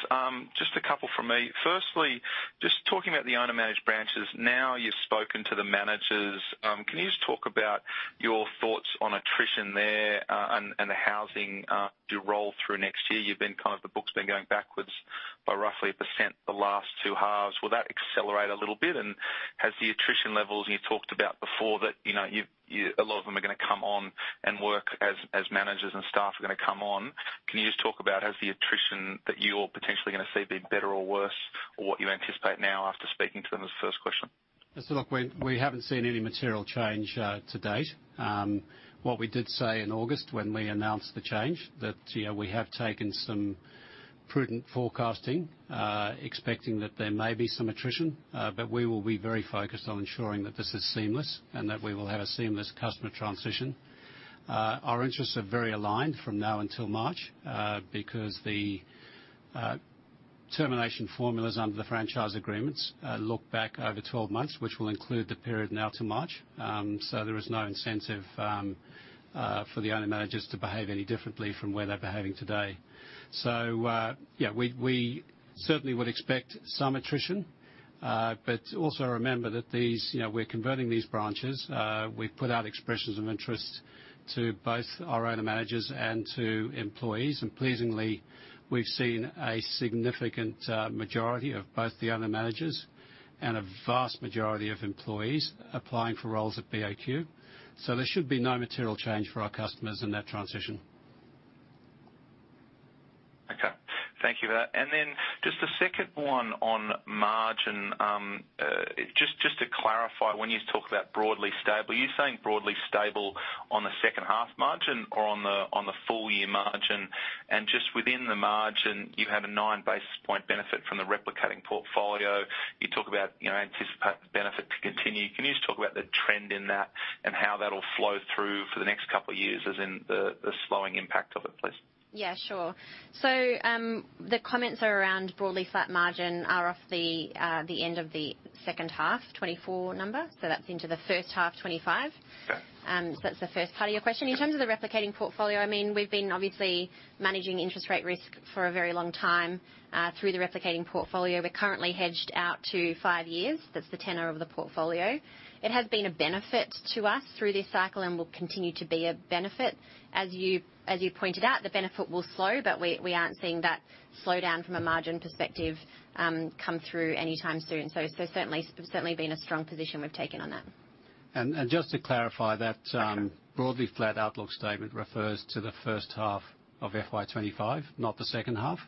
Just a couple from me. Firstly, just talking about the owner managed branches, now you've spoken to the managers, can you just talk about your thoughts on attrition there, and the housing you roll through next year? The book's been going backwards by roughly 1% the last two halves. Will that accelerate a little bit? And the attrition levels, and you talked about before, that you know a lot of them are managers and staff are going to come on, can you just talk about has the attrition that you're potentially going to see be better or worse, or what you anticipate now after speaking to them, as the first question? So look, we haven't seen any material change to date. What we did say in August, when we announced the change, that you know, we have taken some prudent forecasting expecting that there may be some attrition but we will be very focused on ensuring that this is seamless and that we will have a seamless customer transition. Our interests are very aligned from now until March because the termination formulas under the franchise agreements look back over 12 months, which will include the period now to March. So there is no incentive for the owner-managers to behave any differently from where they're behaving today. So yeah, we certainly would expect some attrition but also remember that these you know, we're converting these branches. We've put out expressions of interest to both our owner-managers and to employees, and pleasingly, we've seen a significant majority of both the owner-managers and a vast majority of employees applying for roles at BOQ. So there should be no material change for our customers in that transition. Okay, thank you for that. And then just the second one on margin. Just to clarify, when you talk about broadly stable, are you saying broadly stable on the second half margin or on the, on the full year margin? And just within the margin, you had a nine basis points benefit from the replicating portfolio. You talk about, you know, anticipate the benefit to continue. Can you just talk about the trend in that and how that'll flow through for the next couple of years, as in the, the slowing impact of it, please? Yeah, sure. So, the comments are around broadly flat margin are off the end of the second half, 2024 number, so that's into the first half, 2025. Okay. So that's the first part of your question. In terms of the replicating portfolio, I mean, we've been obviously managing interest rate risk for a very long time through the replicating portfolio. We're currently hedged out to five years. That's the tenor of the portfolio. It has been a benefit to us through this cycle and will continue to be a benefit. As you pointed out, the benefit will slow, but we aren't seeing that slow down from a margin perspective come through anytime soon. So certainly been a strong position we've taken on that. And just to clarify that, broadly flat outlook statement refers to the first half of FY 2025, not the second half.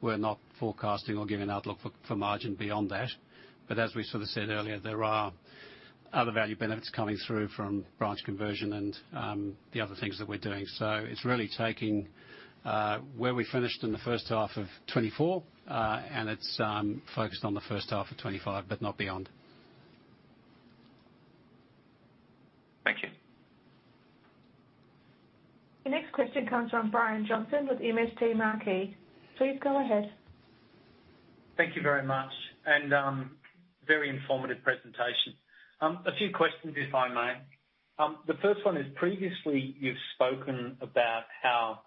We're not forecasting or giving an outlook for margin beyond that. But as we sort of said earlier, there are other value benefits coming through from branch conversion and the other things that we're doing. So it's really taking where we finished in the first half of 2024 and it's focused on the first half of 2025, but not beyond. Thank you. The next question comes from Brian Johnson with MST Marquee. Please go ahead. Thank you very much, and very informative presentation. A few questions, if I may. The first one is, previously you've spoken about how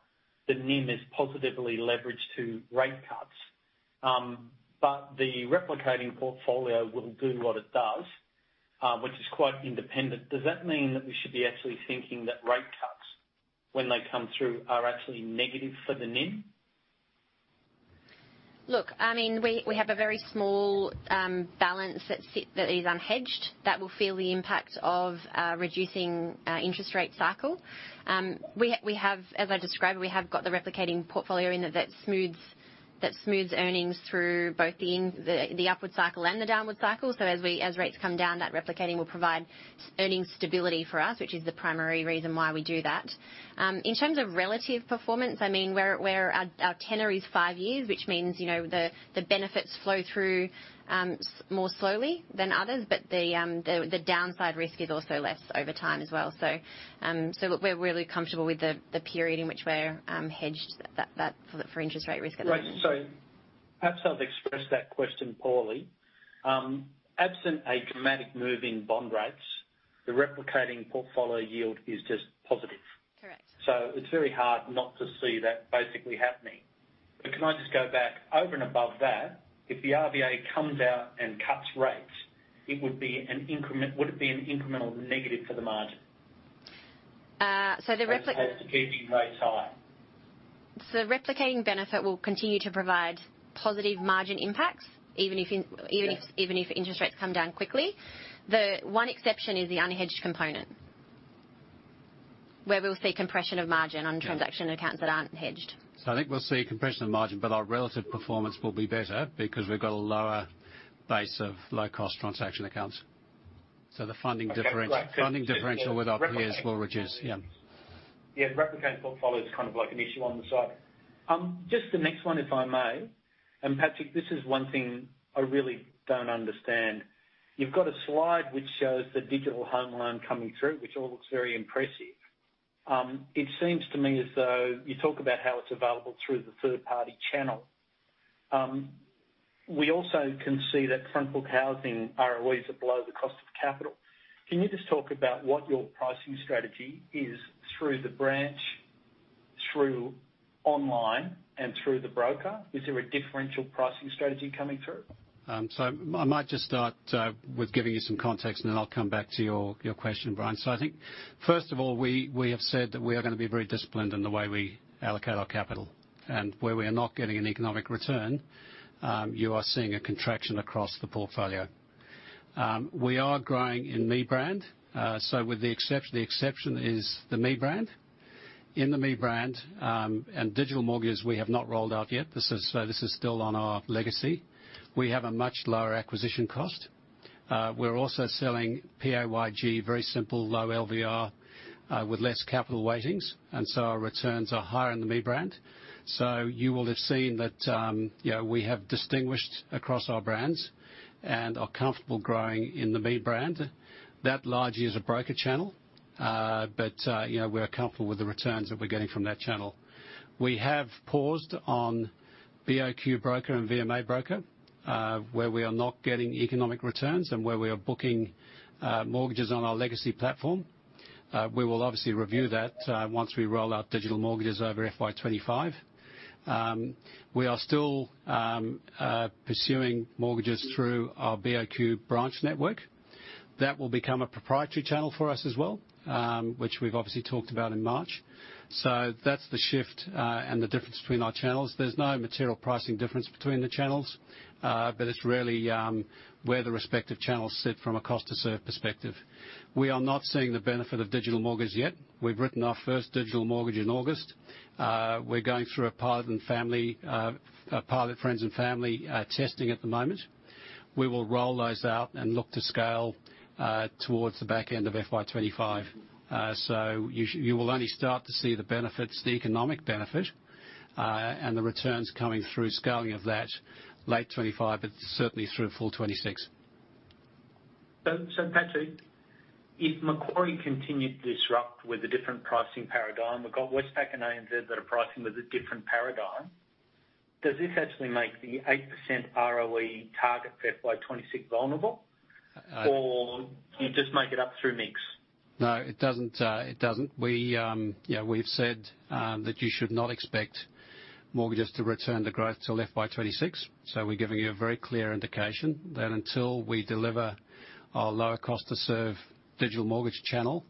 the NIM is positively leveraged to rate cuts, but the replicating portfolio will do what it does, which is quite independent. Does that mean that we should be actually thinking that rate cuts, when they come through, are actually negative for the NIM? Look, I mean, we, we have a very small balance that is unhedged, that will feel the impact of reducing interest rate cycle. We have, as I described, we have got the replicating portfolio in that, that smooths earnings through both the the upward cycle and the downward cycle. So as rates come down, that replicating will provide earning stability for us, which is the primary reason why we do that. In terms of relative performance, I mean, we're, we're, our, our tenor is five years, which means, you know, the, the benefits flow through more slowly than others, but the, the, the downside risk is also less over time as well. So look, we're really comfortable with the period in which we're hedged that for interest rate risk at the moment. Great! So perhaps I've expressed that question poorly. Absent a dramatic move in bond rates, the replicating portfolio yield is just positive. Correct. It's very hard not to see that basically happening. But can I just go back over and above that, if the RBA comes out and cuts rates, it would be an incremental negative for the margin? As to keeping rates high. So replicating benefit will continue to provide positive margin impacts, even if in-even if, even if interest rates come down quickly. The one exception is the unhedged component, where we'll see compression of margin on transaction accounts that aren't hedged. So I think we'll see compression of margin, but our relative performance will be better because we've got a lower base of low-cost transaction accounts. So the funding difference funding differential with our peers will reduce. Yeah. Yeah, replicating portfolio is kind of like an issue on the side. Just the next one, if I may. Patrick, this is one thing I really don't understand. You've got a slide which shows the digital home loan coming through, which all looks very impressive. It seems to me as though you talk about how it's available through the third-party channel. We also can see that front book housing ROEs are below the cost of capital. Can you just talk about what your pricing strategy is through the branch, through online, and through the broker? Is there a differential pricing strategy coming through? So I might just start with giving you some context, and then I'll come back to your question, Brian. So I think, first of all, we have said that we are going to be very disciplined in the way we allocate our capital, and where we are not getting an economic return, you are seeing a contraction across the portfolio. We are growing in ME brand, so the exception is the ME brand in the ME brand, and digital mortgages, we have not rolled out yet. So this is still on our legacy. We have a much lower acquisition cost. We're also selling PAYG, very simple, low LVR, with less capital weightings, and so our returns are higher in the ME brand. So you will have seen that, you know, we have distinguished across our brands and are comfortable growing in the ME brand. That largely is a broker channel, but, you know, we are comfortable with the returns that we're getting from that channel. We have paused on BOQ broker and VMA broker, where we are not getting economic returns and where we are booking mortgages on our legacy platform. We will obviously review that, once we roll out digital mortgages over FY 2025. We are still pursuing mortgages through our BOQ branch network. That will become a proprietary channel for us as well, which we've obviously talked about in March. So that's the shift, and the difference between our channels. There's no material pricing difference between the channels, but it's really where the respective channels sit from a cost to serve perspective. We are not seeing the benefit of digital mortgage yet. We've written our first digital mortgage in August. We're going through a pilot and family, pilot friends and family, testing at the moment. We will roll those out and look to scale towards the back end of FY 2025. So you will only start to see the benefits, the economic benefit, and the returns coming through scaling of that late 2025, but certainly through full 2026. Patrick, if Macquarie continued to disrupt with a different pricing paradigm, we've got Westpac and ANZ that are pricing with a different paradigm. Does this actually make the 8% ROE target for FY 2026 vulnerable, or do you just make it up through mix? No, it doesn't, it doesn't. We, you know, we've said that you should not expect mortgages to return to growth till FY 2026, so we're giving you a very clear indication that until we deliver our lower cost to serve digital mortgage channel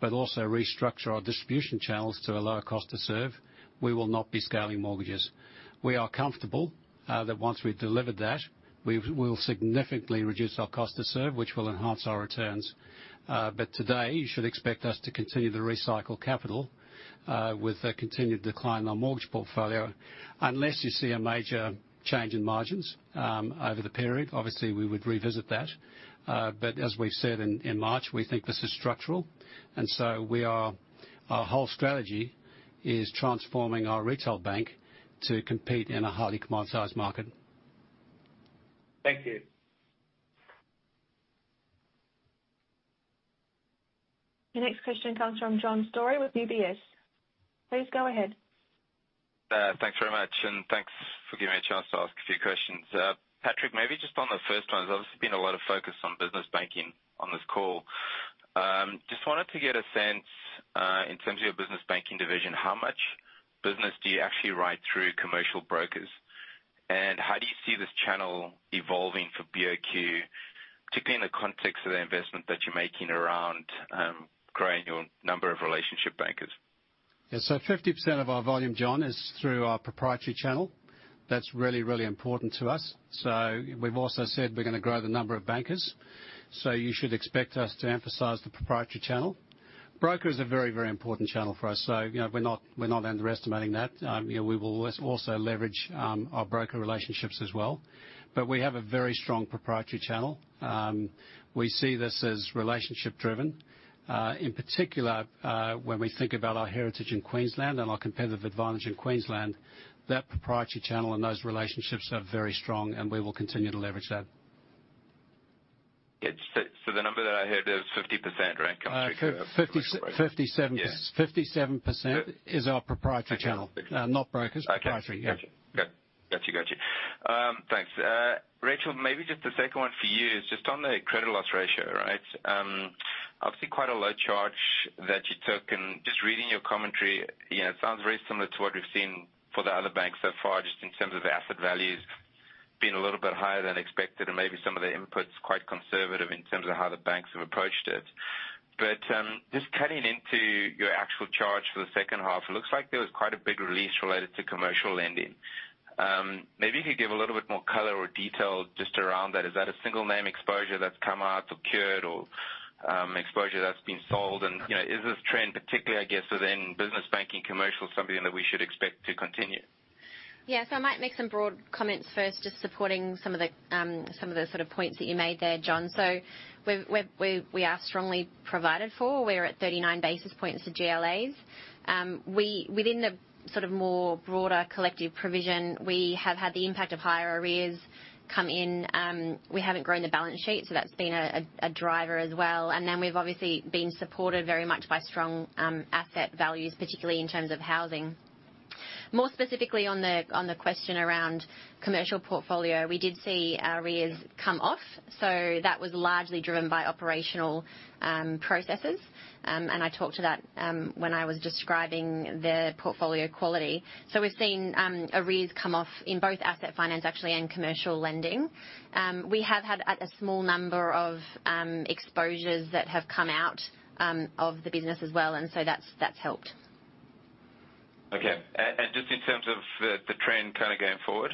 but also restructure our distribution channels to a lower cost to serve, we will not be scaling mortgages. We are comfortable that once we've delivered that, we've, we'll significantly reduce our cost to serve, which will enhance our returns but today you should expect us to continue to recycle capital with a continued decline in our mortgage portfolio. Unless you see a major change in margins over the period, obviously, we would revisit that. But as we've said in March, we think this is structural, and so we are. Our whole strategy is transforming our retail bank to compete in a highly commoditized market. Thank you. The next question comes from John Storey with UBS. Please go ahead. Thanks very much, and thanks for giving me a chance to ask a few questions. Patrick, maybe just on the first one, there's obviously been a lot of focus on business banking on this call. Just wanted to get a sense, in terms of your business banking division, how much business do you actually write through commercial brokers? And how do you see this channel evolving for BOQ, particularly in the context of the investment that you're making around, growing your number of relationship bankers? Yeah, so 50% of our volume, John, is through our proprietary channel. That's really, really important to us. So we've also said we're going to grow the number of bankers, so you should expect us to emphasize the proprietary channel. Broker is a very, very important channel for us, so you know, we're not, we're not underestimating that. You know, we will also leverage our broker relationships as well. But we have a very strong proprietary channel. We see this as relationship driven. In particular, when we think about our heritage in Queensland and our competitive advantage in Queensland, that proprietary channel and those relationships are very strong, and we will continue to leverage that. Yeah. So, so the number that I heard is 50%, right? 57. Yeah. 57% is our proprietary channel not brokers, proprietary. Okay. Got you. Thanks. Rachel, maybe just the second one for you is just on the credit loss ratio, right? Obviously, quite a low charge that you took, and just reading your commentary, you know, it sounds very similar to what we've seen for the other banks so far, just in terms of the asset values being a little bit higher than expected and maybe some of the inputs, quite conservative in terms of how the banks have approached it. But, just cutting into your actual charge for the second half, it looks like there was quite a big release related to commercial lending. Maybe you could give a little bit more color or detail just around that. Is that a single name exposure that's come out or cured or, exposure that's been sold? You know, is this trend particularly, I guess, within business banking commercial, something that we should expect to continue? Yeah. So I might make some broad comments first, just supporting some of the sort of points that you made there, John. So we are strongly provided for. We're at 39 basis points for GLAs. Within the sort of more broader collective provision, we have had the impact of higher arrears come in. We haven't grown the balance sheet, so that's been a driver as well. And then we've obviously been supported very much by strong asset values, particularly in terms of housing. More specifically, on the question around commercial portfolio, we did see our arrears come off, so that was largely driven by operational processes. And I talked to that when I was describing the portfolio quality. So we've seen arrears come off in both asset finance, actually, and commercial lending. We have had a small number of exposures that have come out of the business as well, and so that's helped. Okay. And just in terms of the trend kind of going forward?...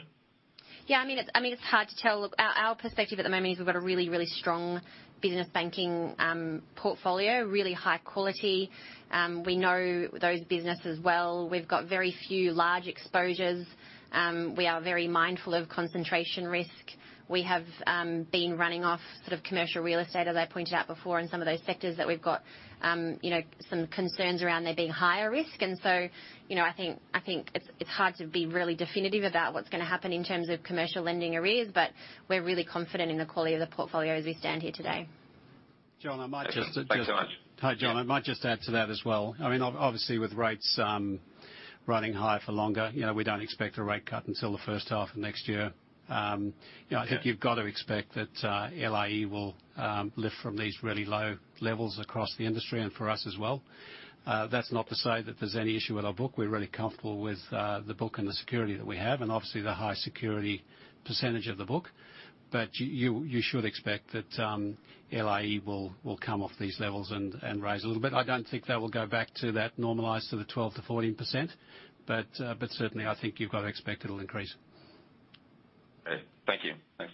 Yeah, I mean, it's hard to tell. Look, our perspective at the moment is we've got a really, really strong business banking portfolio, really high quality. We know those businesses well. We've got very few large exposures. We are very mindful of concentration risk. We have been running off sort of commercial real estate, as I pointed out before, in some of those sectors that we've got, you know, some concerns around there being higher risk. So, you know, I think it's hard to be really definitive about what's going to happen in terms of commercial lending arrears, but we're really confident in the quality of the portfolio as we stand here today. John, I might just- Thanks so much. Hi, John. I might just add to that as well. I mean, obviously, with rates running high for longer, you know, we don't expect a rate cut until the first half of next year. You know I think you've got to expect that LIE will lift from these really low levels across the industry and for us as well. That's not to say that there's any issue with our book. We're really comfortable with the book and the security that we have, and obviously, the high security percentage of the book. But you should expect that LIE will come off these levels and rise a little bit. I don't think that will go back to that normalized sort of 12%-14%, but certainly, I think you've got to expect it'll increase. Okay. Thank you. Thanks.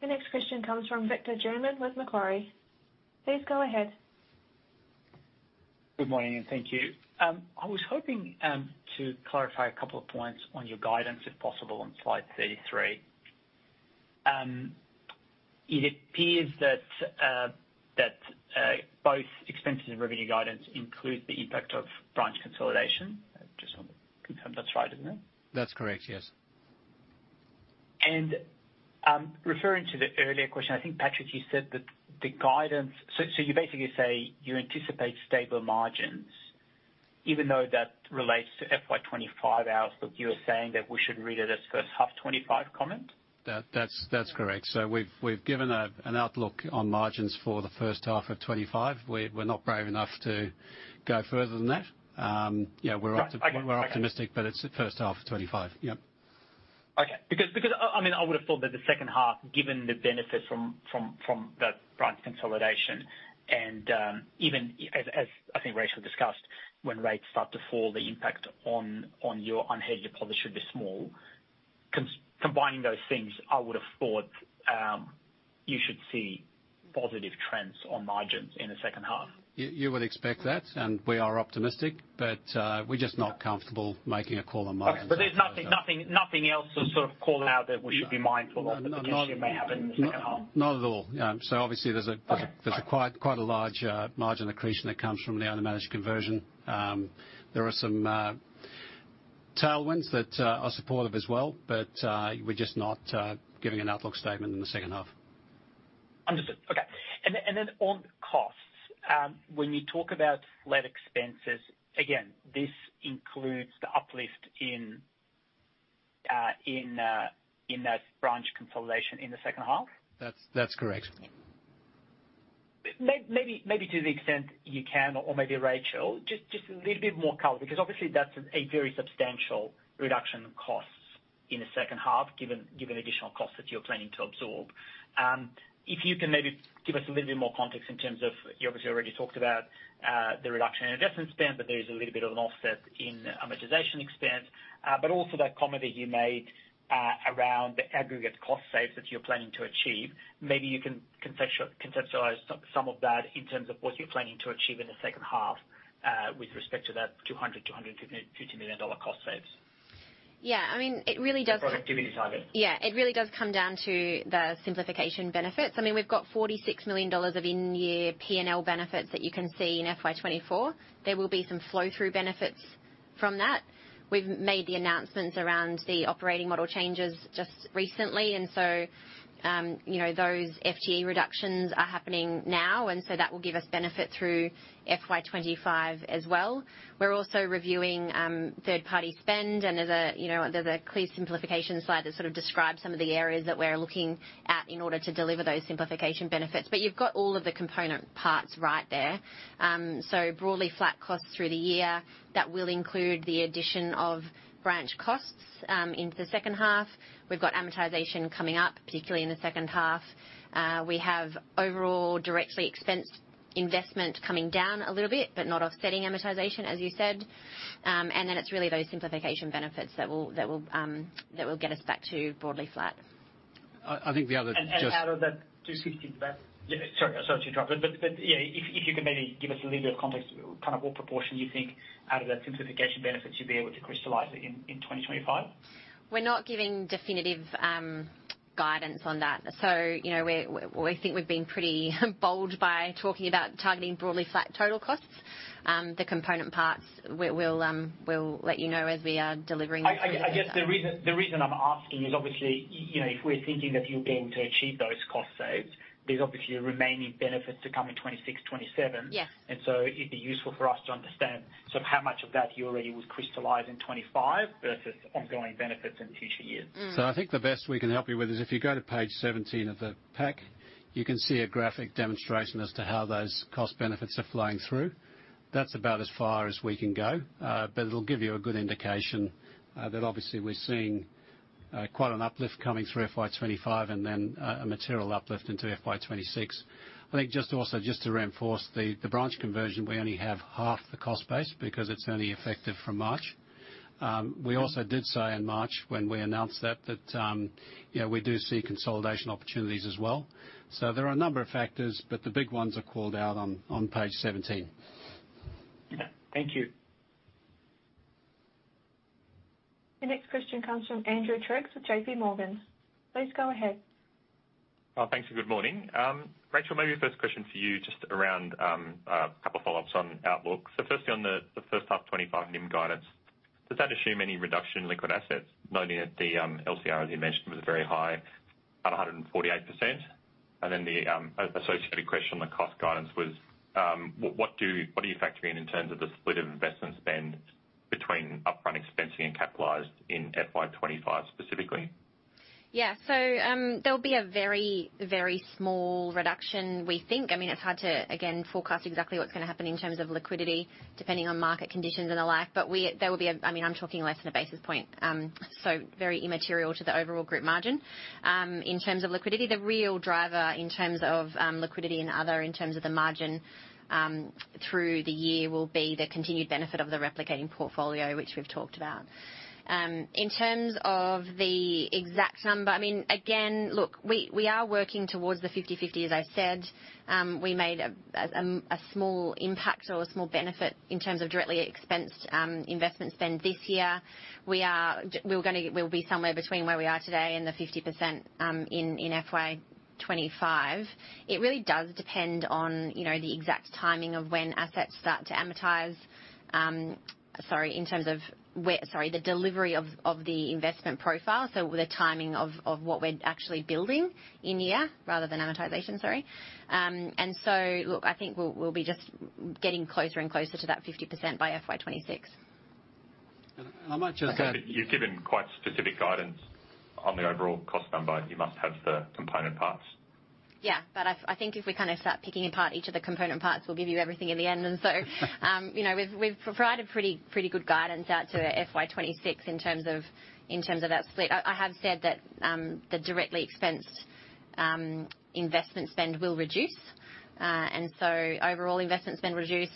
The next question comes from Victor German with Macquarie. Please go ahead. Good morning, and thank you. I was hoping to clarify a couple of points on your guidance, if possible, on slide thirty-three. It appears that both expenses and revenue guidance include the impact of branch consolidation. I just want to confirm that's right, isn't it? That's correct, yes. Referring to the earlier question, I think, Patrick, you said that the guidance. You basically say you anticipate stable margins, even though that relates to FY 2025 halves. You are saying that we should read it as first half 2025 comment? That's correct. So we've given an outlook on margins for the first half of 2025. We're not brave enough to go further than that. Yeah, we're optimistic, but it's the first half of 2025. Yep. Okay. Because I mean, I would have thought that the second half, given the benefit from that branch consolidation, and even as I think Rachel discussed, when rates start to fall, the impact on your unhedged policy should be small. Combining those things, I would have thought, you should see positive trends on margins in the second half. You would expect that, and we are optimistic, but, we're just not comfortable making a call on margins. Okay. But there's nothing, nothing, nothing else to sort of call out that we should be mindful that you may have in the second half? Not at all. So obviously, there's a quite, quite a large margin accretion that comes from the owner-managed conversion. There are some tailwinds that are supportive as well, but we're just not giving an outlook statement in the second half. Understood. Okay. And then on costs, when you talk about lead expenses, again, this includes the uplift in that branch consolidation in the second half? That's correct. Maybe to the extent you can, or maybe Rachel, just a little bit more color, because obviously, that's a very substantial reduction in costs in the second half, given the additional costs that you're planning to absorb. If you can maybe give us a little bit more context in terms of, you obviously already talked about the reduction in investment spend, but there is a little bit of an offset in amortization expense. But also that comment that you made around the aggregate cost saves that you're planning to achieve. Maybe you can conceptualize some of that in terms of what you're planning to achieve in the second half with respect to that 250 million dollar cost saves the productivity target. Yeah. It really does come down to the simplification benefits. I mean, we've got 46 million dollars of in-year PNL benefits that you can see in FY 2024. There will be some flow-through benefits from that. We've made the announcements around the operating model changes just recently, and so, you know, those FTE reductions are happening now, and so that will give us benefit through FY 2025 as well. We're also reviewing third-party spend, and, you know, there's a clear simplification slide that sort of describes some of the areas that we're looking at in order to deliver those simplification benefits. But you've got all of the component parts right there. So broadly flat costs through the year. That will include the addition of branch costs into the second half. We've got amortization coming up, particularly in the second half. We have overall directly expensed investment coming down a little bit, but not offsetting amortization, as you said. Then it's really those simplification benefits that will get us back to broadly flat. Out of that 260, yeah, sorry to interrupt. But yeah, if you can maybe give us a little bit of context, kind of what proportion you think out of that simplification benefit should be able to crystallize in 2025? We're not giving definitive guidance on that. So, you know, we think we've been pretty bold by talking about targeting broadly flat total costs. The component parts, we'll let you know as we are delivering- I guess the reason I'm asking is obviously, you know, if we're thinking that you're going to achieve those cost saves, there's obviously a remaining benefit to come in 2026, twenty-seven. Yes. And so it'd be useful for us to understand sort of how much of that you already would crystallize in 2025 versus ongoing benefits in future years. Mm. So I think the best we can help you with is if you go to page 17 of the pack, you can see a graphic demonstration as to how those cost benefits are flowing through. That's about as far as we can go, but it'll give you a good indication that obviously we're seeing quite an uplift coming through FY 2025, and then a material uplift into FY 2026. I think just also just to reinforce the branch conversion, we only have half the cost base because it's only effective from March. We also did say in March when we announced that you know we do see consolidation opportunities as well. So there are a number of factors, but the big ones are called out on page 17. Yeah. Thank you. The next question comes from Andrew Triggs with JPMorgan. Please go ahead. Thanks, and good morning. Rachel, maybe the first question for you, just around a couple follow-ups on outlook. So firstly, on the first half 2025 NIM guidance, does that assume any reduction in liquid assets, noting that the LCR, as you mentioned, was very high, at 148%? And then the associated question on the cost guidance was, what are you factoring in terms of the split of investment spend between upfront expensing and capitalized in FY 2025, specifically? Yeah. So, there'll be a very, very small reduction, we think. I mean, it's hard to, again, forecast exactly what's going to happen in terms of liquidity, depending on market conditions and the like. But there will be. I mean, I'm talking less than a basis point. So very immaterial to the overall group margin. In terms of liquidity, the real driver, in terms of, liquidity and other, in terms of the margin, through the year, will be the continued benefit of the replicating portfolio, which we've talked about. In terms of the exact number, I mean, again, look, we are working towards the fifty/fifty, as I said. We made a small impact or a small benefit in terms of directly expensed, investment spend this year. We'll be somewhere between where we are today and the 50%, in FY 2025. It really does depend on, you know, the exact timing of when assets start to amortize. Sorry, in terms of where. Sorry, the delivery of the investment profile, so the timing of what we're actually building in year, rather than amortization, sorry. And so, look, I think we'll be just getting closer and closer to that 50% by FY 2026. And I might just add- You've given quite specific guidance on the overall cost number. You must have the component parts. Yeah, but I think if we kind of start picking apart each of the component parts, we'll give you everything in the end. And so, you know, we've provided pretty good guidance out to FY 2026 in terms of that split. I have said that the directly expensed investment spend will reduce. And so overall investment spend reduce,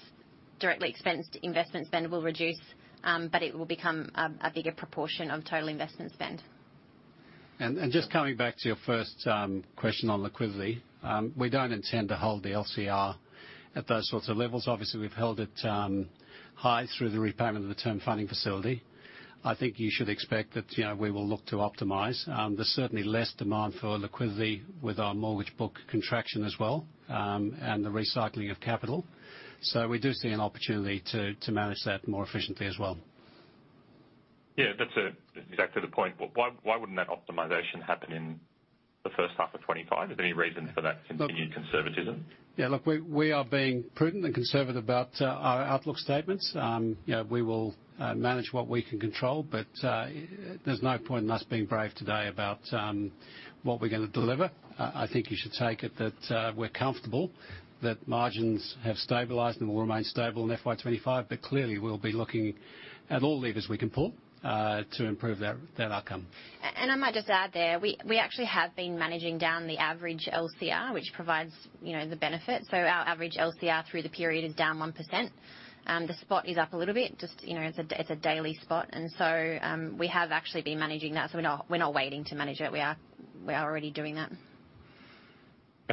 directly expensed investment spend will reduce, but it will become a bigger proportion of total investment spend. Just coming back to your first question on liquidity. We don't intend to hold the LCR at those sorts of levels. Obviously, we've held it high through the repayment of the Term Funding Facility. I think you should expect that, you know, we will look to optimize. There's certainly less demand for liquidity with our mortgage book contraction as well, and the recycling of capital. So we do see an opportunity to manage that more efficiently as well. Yeah, that's exact to the point. But why, why wouldn't that optimization happen in the first half of 2025? Is there any reason for that continued conservatism? Yeah, look, we, we are being prudent and conservative about our outlook statements. You know, we will manage what we can control, but there's no point in us being brave today about what we're going to deliver. I think you should take it that we're comfortable that margins have stabilized and will remain stable in FY 2025, but clearly, we'll be looking at all levers we can pull to improve that, that outcome. And I might just add there, we actually have been managing down the average LCR, which provides, you know, the benefit. So our average LCR through the period is down 1%. The spot is up a little bit, just, you know, it's a daily spot, and so we have actually been managing that. So we're not waiting to manage it. We are already doing that.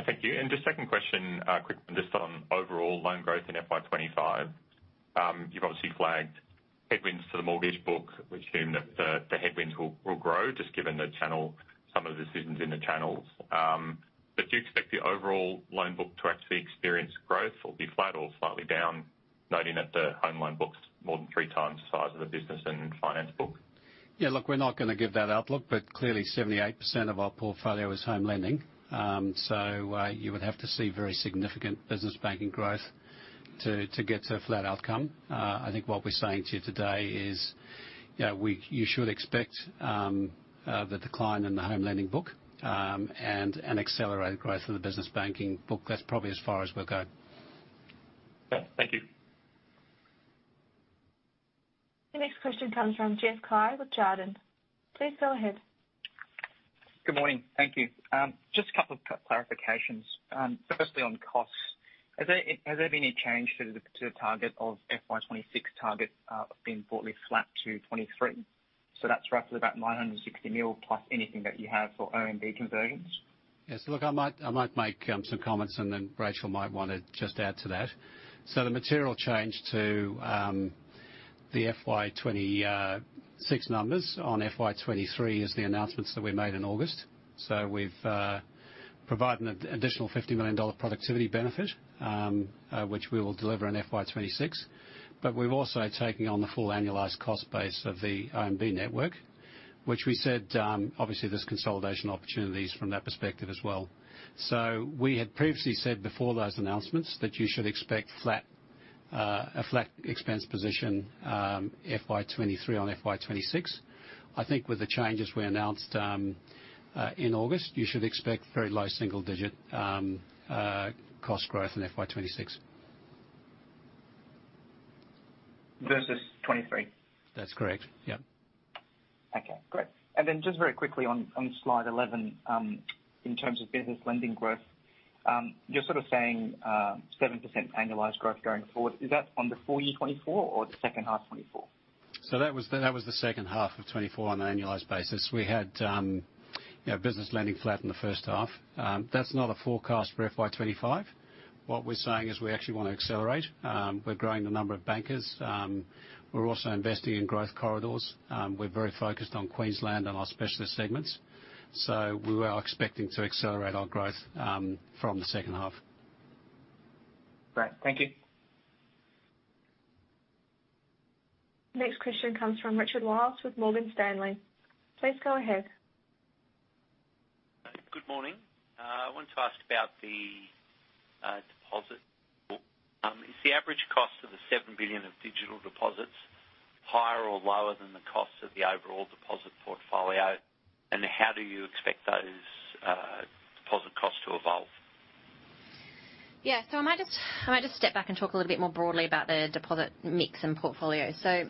Thank you. And just second question, quickly, just on overall loan growth in FY 2025. You've obviously flagged headwinds to the mortgage book. We assume that the headwinds will grow, just given the channel, some of the decisions in the channels. But do you expect the overall loan book to actually experience growth or be flat or slightly down, noting that the home loan book's more than three times the size of the business and finance book? Yeah, look, we're not going to give that outlook, but clearly, 78% of our portfolio is home lending. So, you would have to see very significant business banking growth to get to a flat outcome. I think what we're saying to you today is, you know, you should expect the decline in the home lending book and accelerated growth in the business banking book. That's probably as far as we'll go. Yeah. Thank you. The next question comes from Jeff Carr with Jarden. Please go ahead. Good morning. Thank you. Just a couple of clarifications. Firstly, on costs, has there been any change to the FY 2026 target, being broadly flat to 2023? So that's roughly about 960 million, plus anything that you have for OMB conversions. Yes. Look, I might make some comments, and then Rachel might want to just add to that. So the material change to the FY 2026 numbers on FY 2023 is the announcements that we made in August. So we've provided an additional 50 million dollar productivity benefit, which we will deliver in FY 2026. But we've also taken on the full annualized cost base of the OMB network, which we said, obviously, there's consolidation opportunities from that perspective as well. So we had previously said before those announcements that you should expect a flat expense position FY 2023 on FY 2026. I think with the changes we announced in August, you should expect very low single digit cost growth in FY 2026.... versus 2023? That's correct. Yep. Okay, great. And then just very quickly on slide 11, in terms of business lending growth, you're sort of saying 7% annualized growth going forward. Is that on the full year 2024 or the second half 2024? So that was the second half of 2024 on an annualized basis. We had, you know, business lending flat in the first half. That's not a forecast for FY 2025. What we're saying is we actually want to accelerate. We're growing the number of bankers. We're also investing in growth corridors. We're very focused on Queensland and our specialist segments, so we are expecting to accelerate our growth from the second half. Great. Thank you. Next question comes from Richard Wiles with Morgan Stanley. Please go ahead. Good morning. I wanted to ask about the deposit book. Is the average cost of the 7 billion of digital deposits higher or lower than the cost of the overall deposit portfolio? And how do you expect those deposit costs to evolve? Yeah. So I might just step back and talk a little bit more broadly about the deposit mix and portfolio. So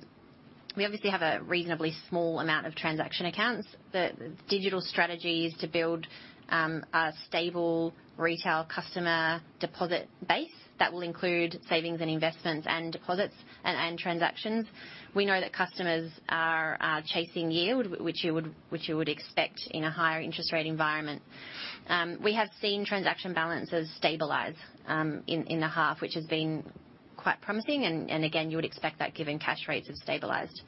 we obviously have a reasonably small amount of transaction accounts. The digital strategy is to build a stable retail customer deposit base that will include savings and investments, and deposits and transactions. We know that customers are chasing yield, which you would expect in a higher interest rate environment. We have seen transaction balances stabilize in the half, which has been quite promising and again, you would expect that given cash rates have stabilized.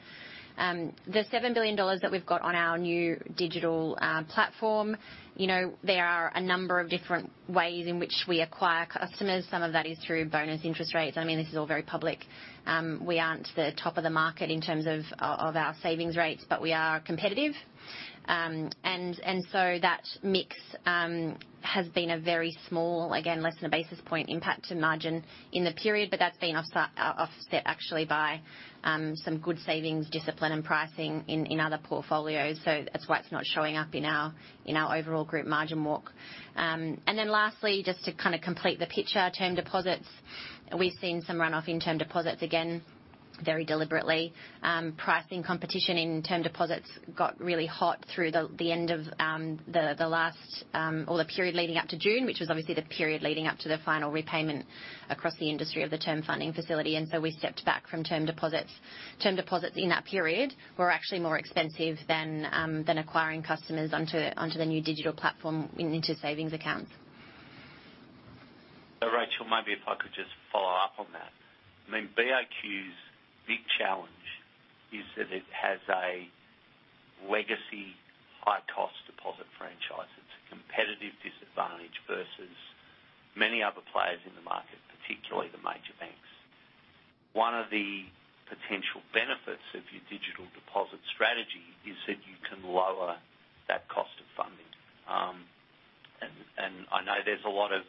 The 7 billion dollars that we've got on our new digital platform, you know, there are a number of different ways in which we acquire customers. Some of that is through bonus interest rates. I mean, this is all very public. We aren't the top of the market in terms of, of our savings rates, but we are competitive. And so that mix has been a very small, again, less than a basis point impact to margin in the period, but that's been offset actually by some good savings discipline and pricing in other portfolios. So that's why it's not showing up in our overall group margin walk. And then lastly, just to kind of complete the picture, term deposits, we've seen some runoff in term deposits, again, very deliberately. Pricing competition in term deposits got really hot through the end of the last or the period leading up to June, which was obviously the period leading up to the final repayment across the industry of the Term Funding Facility. And so we stepped back from term deposits. Term deposits in that period were actually more expensive than acquiring customers onto the new digital platform into savings accounts. Rachel, maybe if I could just follow up on that. I mean, BOQ's big challenge is that it has a legacy, high-cost deposit franchise. It's a competitive disadvantage versus many other players in the market, particularly the major banks. One of the potential benefits of your digital deposit strategy is that you can lower that cost of funding. And I know there's a lot of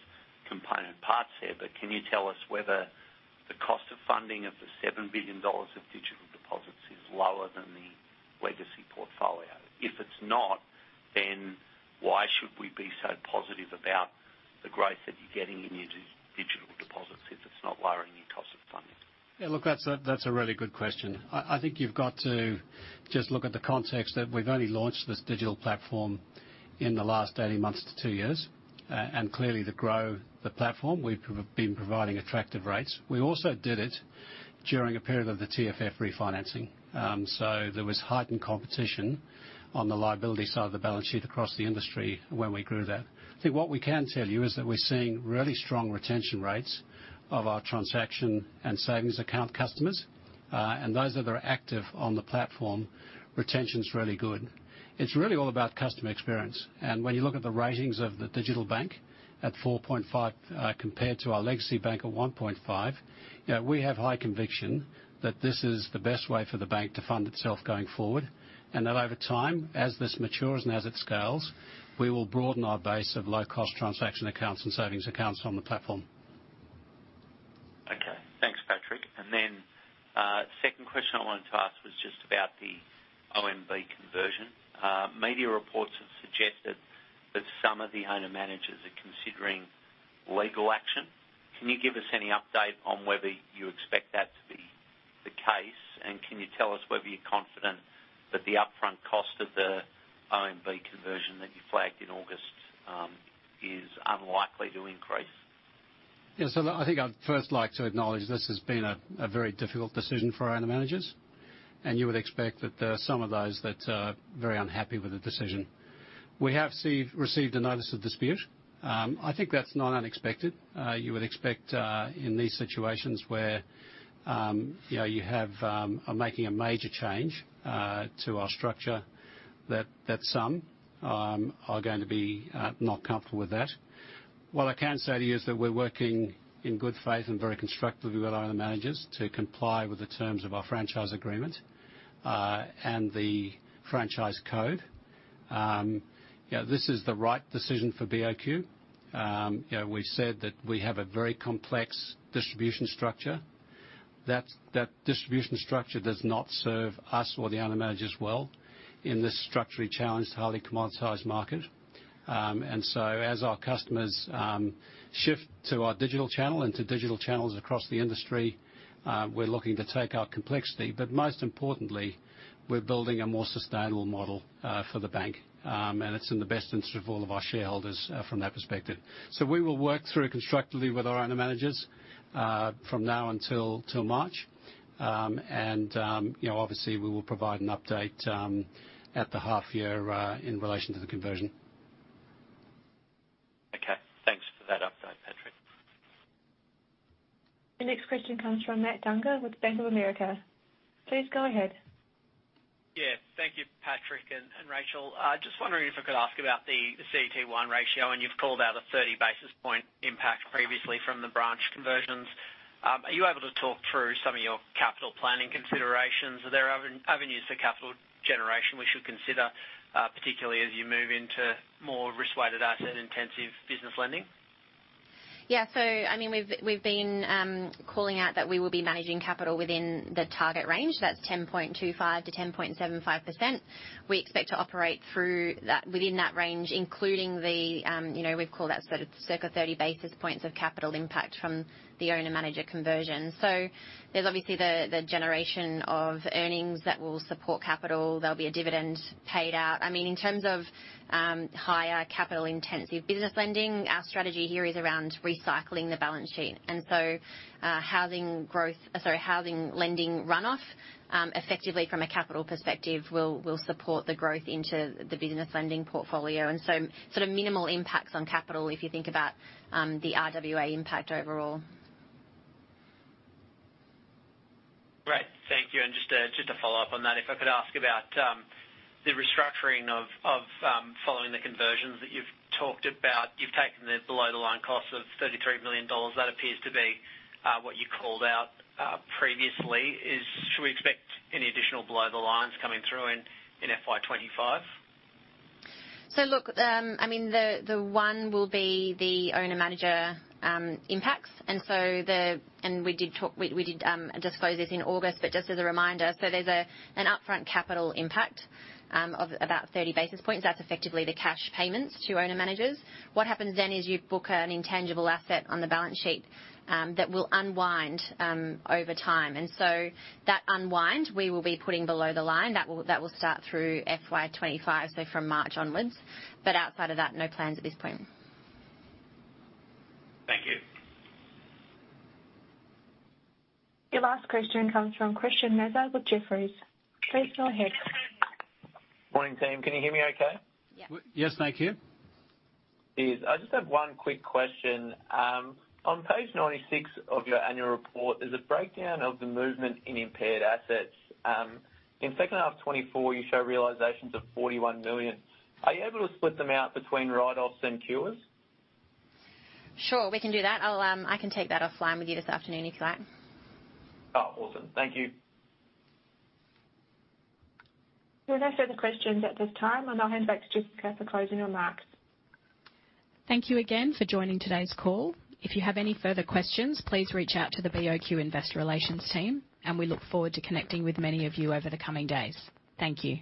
component parts here, but can you tell us whether the cost of funding of the 7 billion dollars of digital deposits is lower than the legacy portfolio? If it's not, then why should we be so positive about the growth that you're getting in your digital deposits if it's not lowering your cost of funding? Yeah, look, that's a really good question. I think you've got to just look at the context that we've only launched this digital platform in the last 18 months to two years. And clearly to grow the platform, we've been providing attractive rates. We also did it during a period of the TFF refinancing. So there was heightened competition on the liability side of the balance sheet across the industry when we grew that. I think what we can tell you is that we're seeing really strong retention rates of our transaction and savings account customers, and those that are active on the platform, retention is really good. It's really all about customer experience. When you look at the ratings of the digital bank at 4.5, compared to our legacy bank at 1.5, you know, we have high conviction that this is the best way for the bank to fund itself going forward, and that over time, as this matures and as it scales, we will broaden our base of low-cost transaction accounts and savings accounts on the platform. Okay. Thanks, Patrick. And then, second question I wanted to ask was just about the OMB conversion. Media reports have suggested that some of the owner-managers are considering legal action. Can you give us any update on whether you expect that to be the case? And can you tell us whether you're confident that the upfront cost of the OMB conversion that you flagged in August is unlikely to increase? Yeah, so I think I'd first like to acknowledge this has been a very difficult decision for our owner-managers, and you would expect that there are some of those that are very unhappy with the decision. We have received a notice of dispute. I think that's not unexpected. You would expect in these situations where you know you are making a major change to our structure, that some are going to be not comfortable with that. What I can say to you is that we're working in good faith and very constructively with our owner-managers to comply with the terms of our franchise agreement and the franchise code. Yeah, this is the right decision for BOQ. You know, we said that we have a very complex distribution structure. That distribution structure does not serve us or the owner-managers well in this structurally challenged, highly commoditized market, and so as our customers shift to our digital channel and to digital channels across the industry, we're looking to take our complexity, but most importantly, we're building a more sustainable model for the bank, and it's in the best interest of all of our shareholders from that perspective, so we will work through constructively with our owner-managers from now until March, and you know, obviously, we will provide an update at the half year in relation to the conversion. Okay. Thanks for that update, Patrick. The next question comes from Matt Dunger with Bank of America. Please go ahead. Yeah. Thank you, Patrick and Rachel. Just wondering if I could ask about the CET1 ratio, and you've called out a 30 basis point impact previously from the branch conversions. Are you able to talk through some of your capital planning considerations? Are there avenues to capital generation we should consider, particularly as you move into more risk-weighted, asset-intensive business lending? Yeah. So I mean, we've been calling out that we will be managing capital within the target range. That's 10.25%-10.75%. We expect to operate through that, within that range, including the, you know, we've called that sort of circa 30 basis points of capital impact from the owner-manager conversion. So there's obviously the generation of earnings that will support capital. There'll be a dividend paid out. I mean, in terms of, higher capital intensive business lending, our strategy here is around recycling the balance sheet. And so, housing lending runoff, effectively from a capital perspective, will support the growth into the business lending portfolio, and so sort of minimal impacts on capital if you think about, the RWA impact overall. Great. Thank you. And just to follow up on that, if I could ask about the restructuring of following the conversions that you've talked about. You've taken the below-the-line cost of AUD 33 million. That appears to be what you called out previously. Is... Should we expect any additional below the lines coming through in FY 2025? So look, I mean, the one will be the owner-manager impacts. We did talk. We did disclose this in August, but just as a reminder, so there's an upfront capital impact of about 30 basis points. That's effectively the cash payments to owner-managers. What happens then is you book an intangible asset on the balance sheet that will unwind over time. And so that unwind, we will be putting below the line. That will start through FY 2025, so from March onwards, but outside of that, no plans at this point. Thank you. Your last question comes from Christian Mezard with Jefferies. Please go ahead. Good morning, team. Can you hear me okay? Yeah. Yes, mate, clear. Yes. I just have one quick question. On page 96 of your annual report, there's a breakdown of the movement in impaired assets. In second half of 2024, you show realizations of 41 million. Are you able to split them out between write-offs and cures? Sure, we can do that. I can take that offline with you this afternoon, if you like. Oh, awesome. Thank you. There are no further questions at this time, and I'll hand back to Jessica for closing remarks. Thank you again for joining today's call. If you have any further questions, please reach out to the BOQ Investor Relations team, and we look forward to connecting with many of you over the coming days. Thank you.